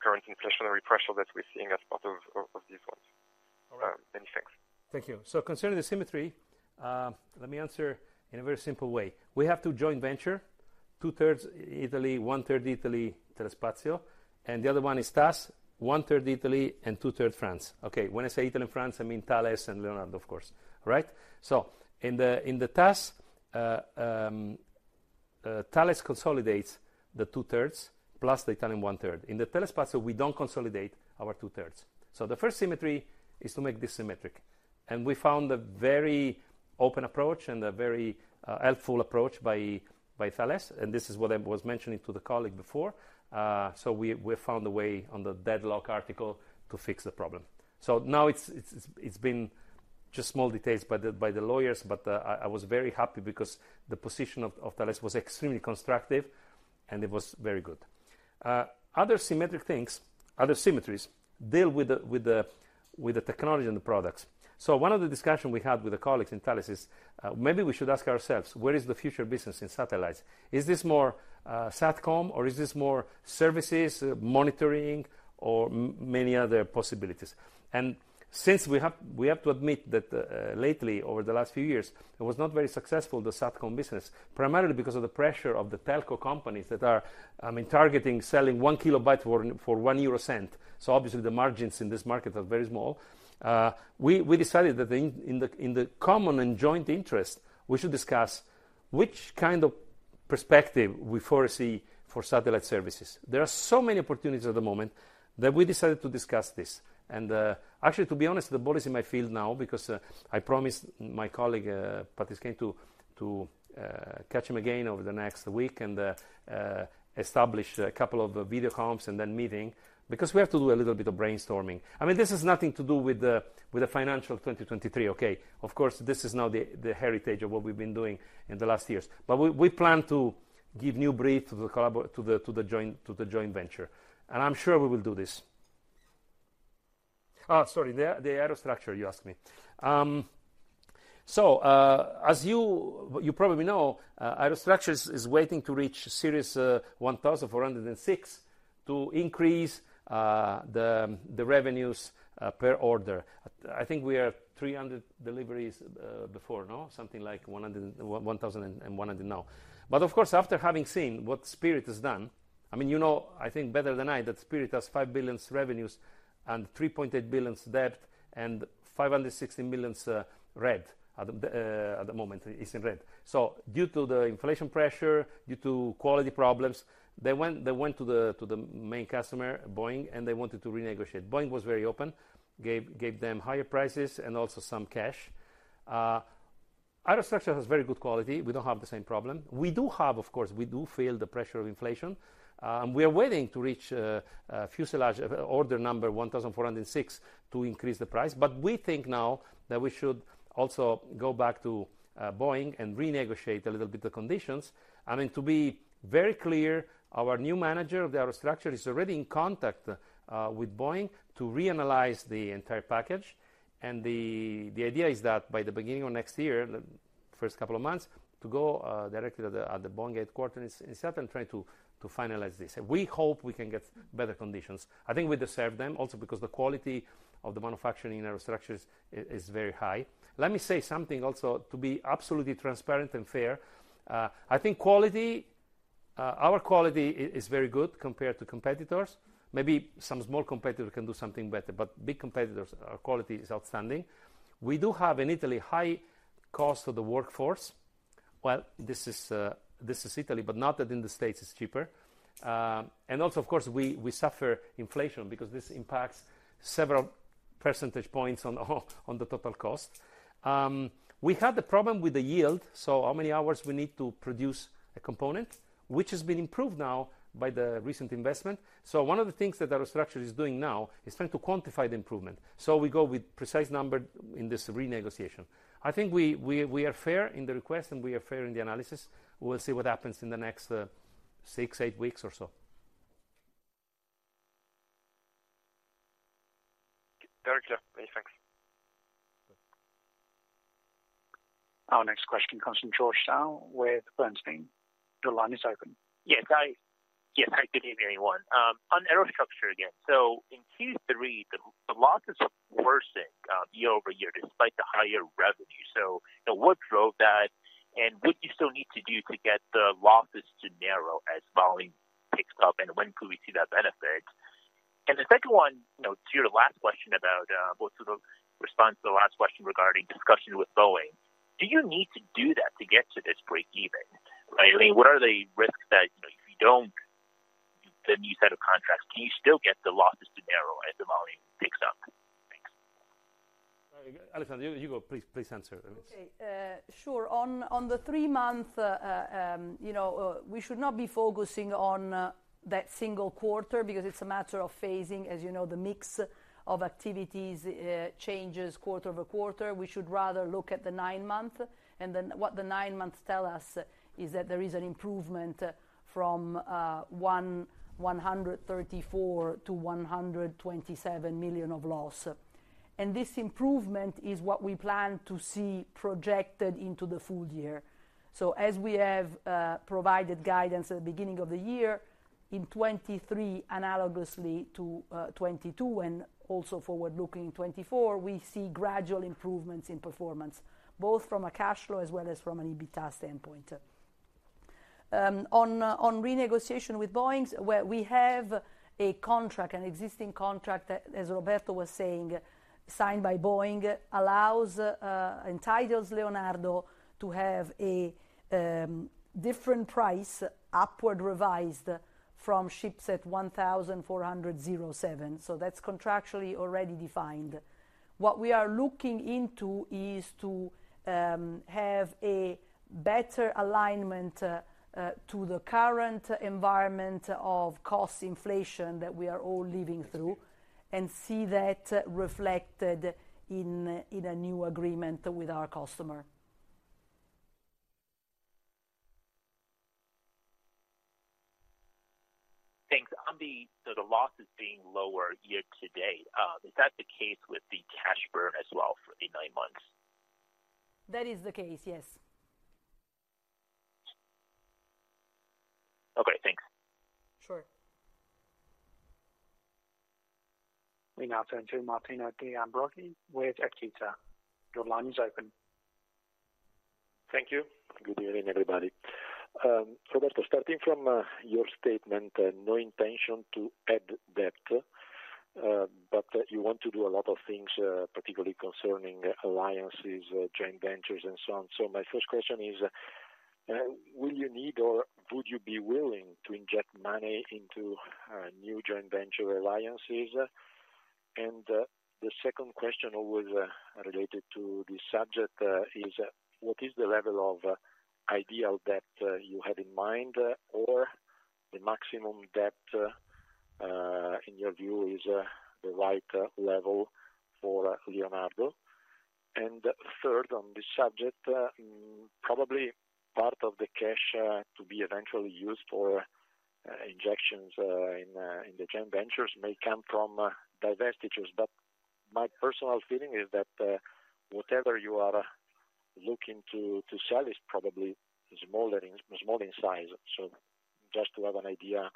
current inflationary pressure that we're seeing as part of these ones. All right, many thanks. Thank you. So concerning the symmetry, let me answer in a very simple way. We have to joint venture two-thirds Italy, one-third Italy, Thales Alenia Space, and the other one is TAS, one-third Italy and two-thirds France. Okay, when I say Italy, France, I mean Thales and Leonardo, of course. Right? So in the TAS, Thales consolidates the two-thirds, plus the Italian one-third. In the Thales Alenia Space, we don't consolidate our two-thirds. So the first symmetry is to make this symmetric. And we found a very open approach and a very helpful approach by Thales, and this is what I was mentioning to the colleague before. So we found a way on the deadlock article to fix the problem. So now it's been just small details by the lawyers, but I was very happy because the position of Thales was extremely constructive, and it was very good. Other symmetric things, other symmetries deal with the technology and the products. So one of the discussion we had with the colleagues in Thales is maybe we should ask ourselves, where is the future business in satellites? Is this more Satcom, or is this more services, monitoring, or many other possibilities? And since we have to admit that lately, over the last few years, it was not very successful, the Satcom business, primarily because of the pressure of the telco companies that are, I mean, targeting selling one kilobyte for one euro cent. So obviously, the margins in this market are very small. We decided that in the common and joint interest, we should discuss which kind of perspective we foresee for satellite services. There are so many opportunities at the moment that we decided to discuss this, and actually, to be honest, the ball is in my field now because I promised my colleague Patrice Caine to catch him again over the next week and establish a couple of video confs and then meeting, because we have to do a little bit of brainstorming. I mean, this has nothing to do with the financial 2023, okay? Of course, this is now the heritage of what we've been doing in the last years. But we plan to give new breath to the collaboration to the joint venture, and I'm sure we will do this. Sorry, the Aerostructures, you asked me. So, as you probably know, Aerostructures is waiting to reach series 1,406, to increase the revenues per order. I think we are 300 deliveries before, no? Something like 100... 1,100 now. But of course, after having seen what Spirit has done, I mean, you know, I think better than I, that Spirit has $5 billion revenues and $3.8 billion debt, and $560 million red, at the moment, it's in red. So due to the inflation pressure, due to quality problems, they went to the main customer, Boeing, and they wanted to renegotiate. Boeing was very open, gave them higher prices and also some cash. Aerostructures has very good quality. We don't have the same problem. We do have, of course, we do feel the pressure of inflation. We are waiting to reach fuselage order number 1,406 to increase the price, but we think now that we should also go back to Boeing and renegotiate a little bit the conditions. I mean, to be very clear, our new manager of the Aerostructures is already in contact with Boeing to reanalyze the entire package. The idea is that by the beginning of next year, the first couple of months, to go directly to the at the Boeing headquarters in Seattle and try to finalize this. We hope we can get better conditions. I think we deserve them, also because the quality of the manufacturing in Aerostructures is very high. Let me say something also to be absolutely transparent and fair. I think quality, our quality is very high compared to competitors. Maybe some small competitor can do something better, but big competitors, our quality is outstanding. We do have, in Italy, high cost of the workforce. Well, this is Italy, but not that in the States it's cheaper. And also, of course, we suffer inflation because this impacts several percentage points on the total cost. We had the problem with the yield, so how many hours we need to produce a component, which has been improved now by the recent investment. So one of the things that Aerostructures is doing now is trying to quantify the improvement. So we go with precise number in this renegotiation. I think we are fair in the request and we are fair in the analysis. We'll see what happens in the next 6-8 weeks or so. Very clear. Okay, thanks. Our next question comes from George Zhao with Bernstein. Your line is open. Yes, hi, good evening, everyone. On Aerostructures again. So in Q3, the loss is worsening year-over-year, despite the higher revenue. So, you know, what drove that, and what do you still need to do to get the losses to narrow as volume picks up, and when could we see that benefit? And the second one, you know, to your last question about, well, to the response to the last question regarding discussions with Boeing, do you need to do that to get to this break even, right? I mean, what are the risks that, you know, if you don't, the new set of contracts, can you still get the losses to narrow as the volume picks up? Alessandra, you go, please, please answer this. Okay, sure. On the three-month, you know, we should not be focusing on that single quarter because it's a matter of phasing. As you know, the mix of activities changes quarter-over-quarter. We should rather look at the nine-month, and then what the nine months tell us is that there is an improvement from 134 million to 127 million of loss. And this improvement is what we plan to see projected into the full year. So as we have provided guidance at the beginning of the year, in 2023, analogously to 2022 and also forward-looking 2024, we see gradual improvements in performance, both from a cash flow as well as from an EBITDA standpoint. On renegotiation with Boeing, well, we have a contract, an existing contract, as Roberto was saying, signed by Boeing, allows, entitles Leonardo to have a different price, upward revised from shipset 1,407. So that's contractually already defined. What we are looking into is to have a better alignment to the current environment of cost inflation that we are all living through, and see that reflected in a new agreement with our customer. Thanks. On the, so the losses being lower year to date, is that the case with the cash burn as well for the nine months? That is the case, yes. Okay, thanks. Sure. We now turn to Martino De Ambrogi with Equita. Your line is open. Thank you. Good evening, everybody. Roberto, starting from your statement, no intention to add debt, but you want to do a lot of things, particularly concerning alliances, joint ventures, and so on. So my first question is, will you need or would you be willing to inject money into new joint venture alliances? And the second question, always related to this subject, is what is the level of ideal debt you have in mind, or the maximum debt, in your view, is the right level for Leonardo? And third, on this subject, probably part of the cash to be eventually used for injections in the joint ventures may come from divestitures. My personal feeling is that whatever you are looking to sell is probably small in size. So just to have an idea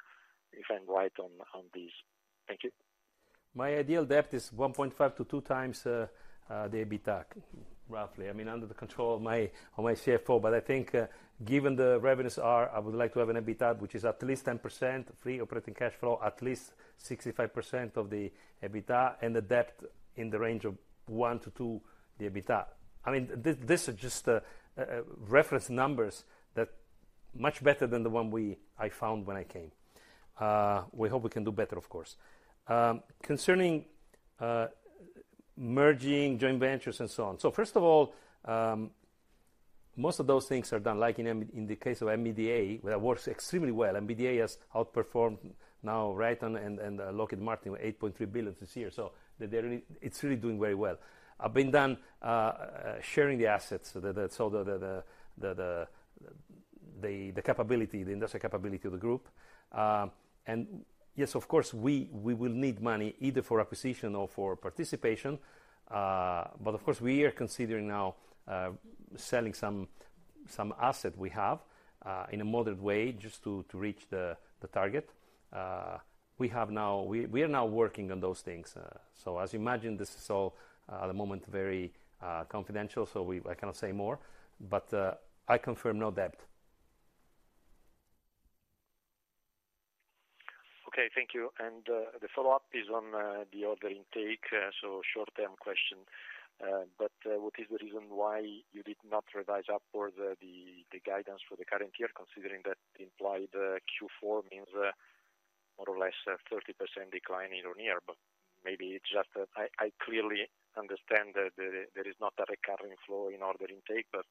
if I'm right on this. Thank you. My ideal debt is 1.5-2 times the EBITDA, roughly. I mean, under the control of my CFO, but I think, given the revenues are, I would like to have an EBITDA which is at least 10%, free operating cash flow at least 65% of the EBITDA, and the debt in the range of 1-2 the EBITDA. I mean, this is just reference numbers that much better than the one we found when I came. We hope we can do better, of course. Concerning merging, joint ventures, and so on. So first of all, most of those things are done, like in the case of MBDA, where it works extremely well. MBDA has outperformed now Raytheon and Lockheed Martin with 8.3 billion this year, so they're really, it's really doing very well. Being done sharing the assets, so that the capability, the industrial capability of the group, and yes, of course, we will need money, either for acquisition or for participation. But of course, we are considering now selling some asset we have in a moderate way, just to reach the target. We are now working on those things, so as you imagine, this is all at the moment very confidential, so I cannot say more, but I confirm no debt. Okay, thank you. And the follow-up is on the order intake, so short-term question. But what is the reason why you did not revise upward the guidance for the current year, considering that the implied Q4 means more or less a 30% decline year-on-year? But maybe it's just that I clearly understand that there is not a recurring flow in order intake, but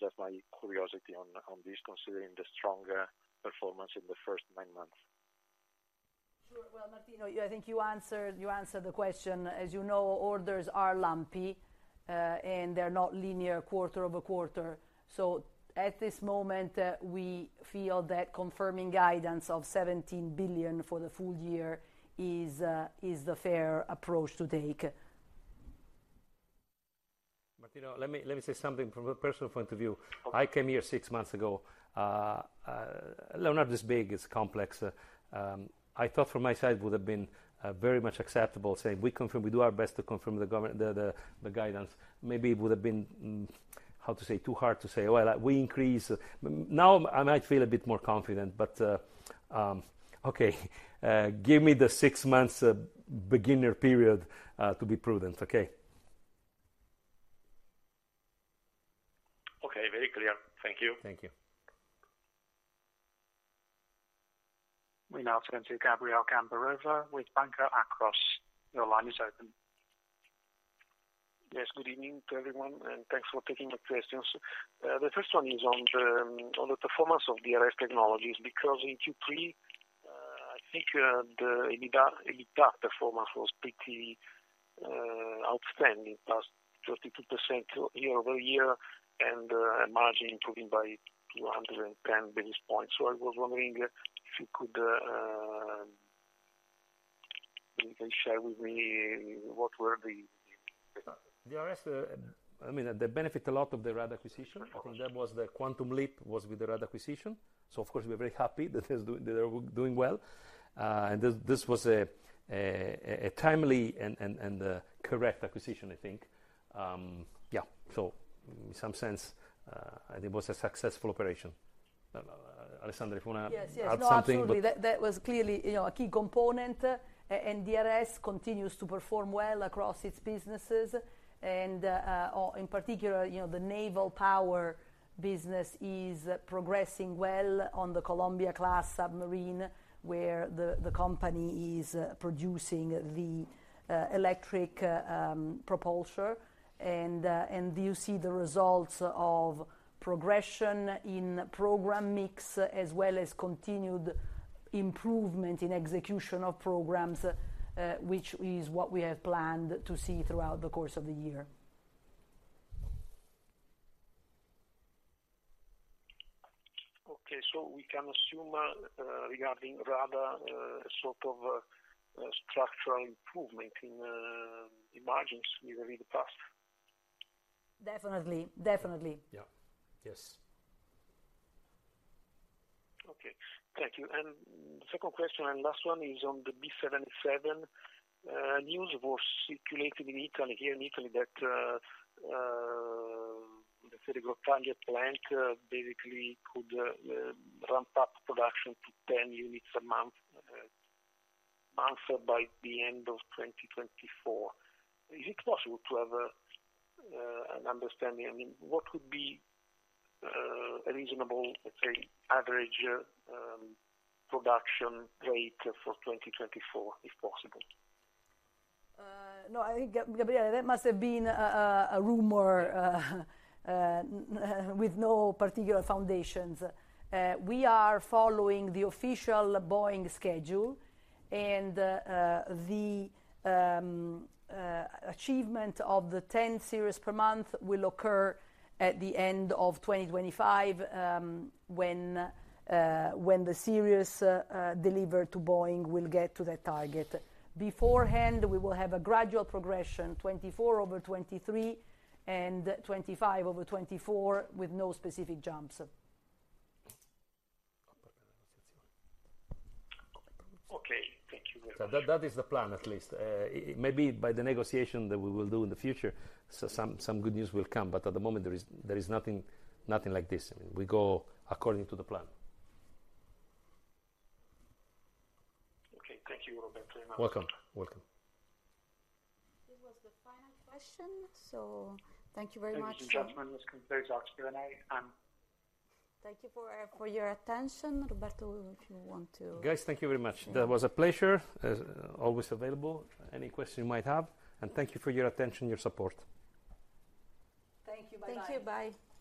just my curiosity on this, considering the stronger performance in the first nine months. Sure. Well, Martino, I think you answered, you answered the question. As you know, orders are lumpy, and they're not linear quarter over quarter. So at this moment, we feel that confirming guidance of 17 billion for the full year is, is the fair approach to take. Martino, let me, let me say something from a personal point of view. Okay. I came here six months ago. Leonardo is big, it's complex. I thought from my side, it would have been very much acceptable, say, we confirm, we do our best to confirm the government, the guidance. Maybe it would have been, how to say, too hard to say, well, we increase... Now, I might feel a bit more confident, but, okay, give me the six months beginner period to be prudent. Okay? Okay. Very clear. Thank you. Thank you. We now turn to Gabriele Gambarova with Banca Akros. Your line is open. Yes, good evening to everyone, and thanks for taking my questions. The first one is on the performance of the RS Technologies, because in Q3, I think, the EBITDA, EBITDA performance was pretty outstanding, +32% year-over-year, and margin improving by 210 basis points. So I was wondering if you could share with me what were the... The DRS, I mean, they benefit a lot of the RADA acquisition. I think that was the quantum leap, was with the RADA acquisition. So of course, we're very happy that it's doing, they're doing well. And this was a correct acquisition, I think. Yeah, so in some sense, it was a successful operation. Alessandra, if you want to add something? Yes, yes. Absolutely. That, that was clearly, you know, a key component, and DRS continues to perform well across its businesses. And in particular, you know, the naval power business is progressing well on the Columbia-class submarine, where the company is producing the electric propulsion. And you see the results of progression in program mix, as well as continued improvement in execution of programs, which is what we have planned to see throughout the course of the year. Okay, so we can assume, regarding RADA, sort of, structural improvement in margins with the past? Definitely. Definitely. Yeah. Yes. Okay, thank you. And the second question, and last one, is on the B787. News was circulated in Italy, here in Italy, that the Grottaglie plant basically could ramp up production to 10 units a month by the end of 2024. Is it possible to have an understanding? I mean, what would be a reasonable, let's say, average production rate for 2024, if possible? No, I think, Gabrielle, that must have been a rumor with no particular foundations. We are following the official Boeing schedule, and the achievement of the 10 series per month will occur at the end of 2025, when the series delivered to Boeing will get to that target. Beforehand, we will have a gradual progression, 2024 over 2023 and 2025 over 2024, with no specific jumps. Okay, thank you very much. So that is the plan, at least. Maybe by the negotiation that we will do in the future, some good news will come, but at the moment there is nothing like this. We go according to the plan. Okay. Thank you, Roberto, very much. Welcome. Welcome. This was the final question, so thank you very much. Thank you, gentlemen. This concludes our Q&A, and- Thank you for your attention. Roberto, if you want to... Guys, thank you very much. That was a pleasure. As always available, any questions you might have, and thank you for your attention, your support. Thank you. Bye-bye. Thank you. Bye.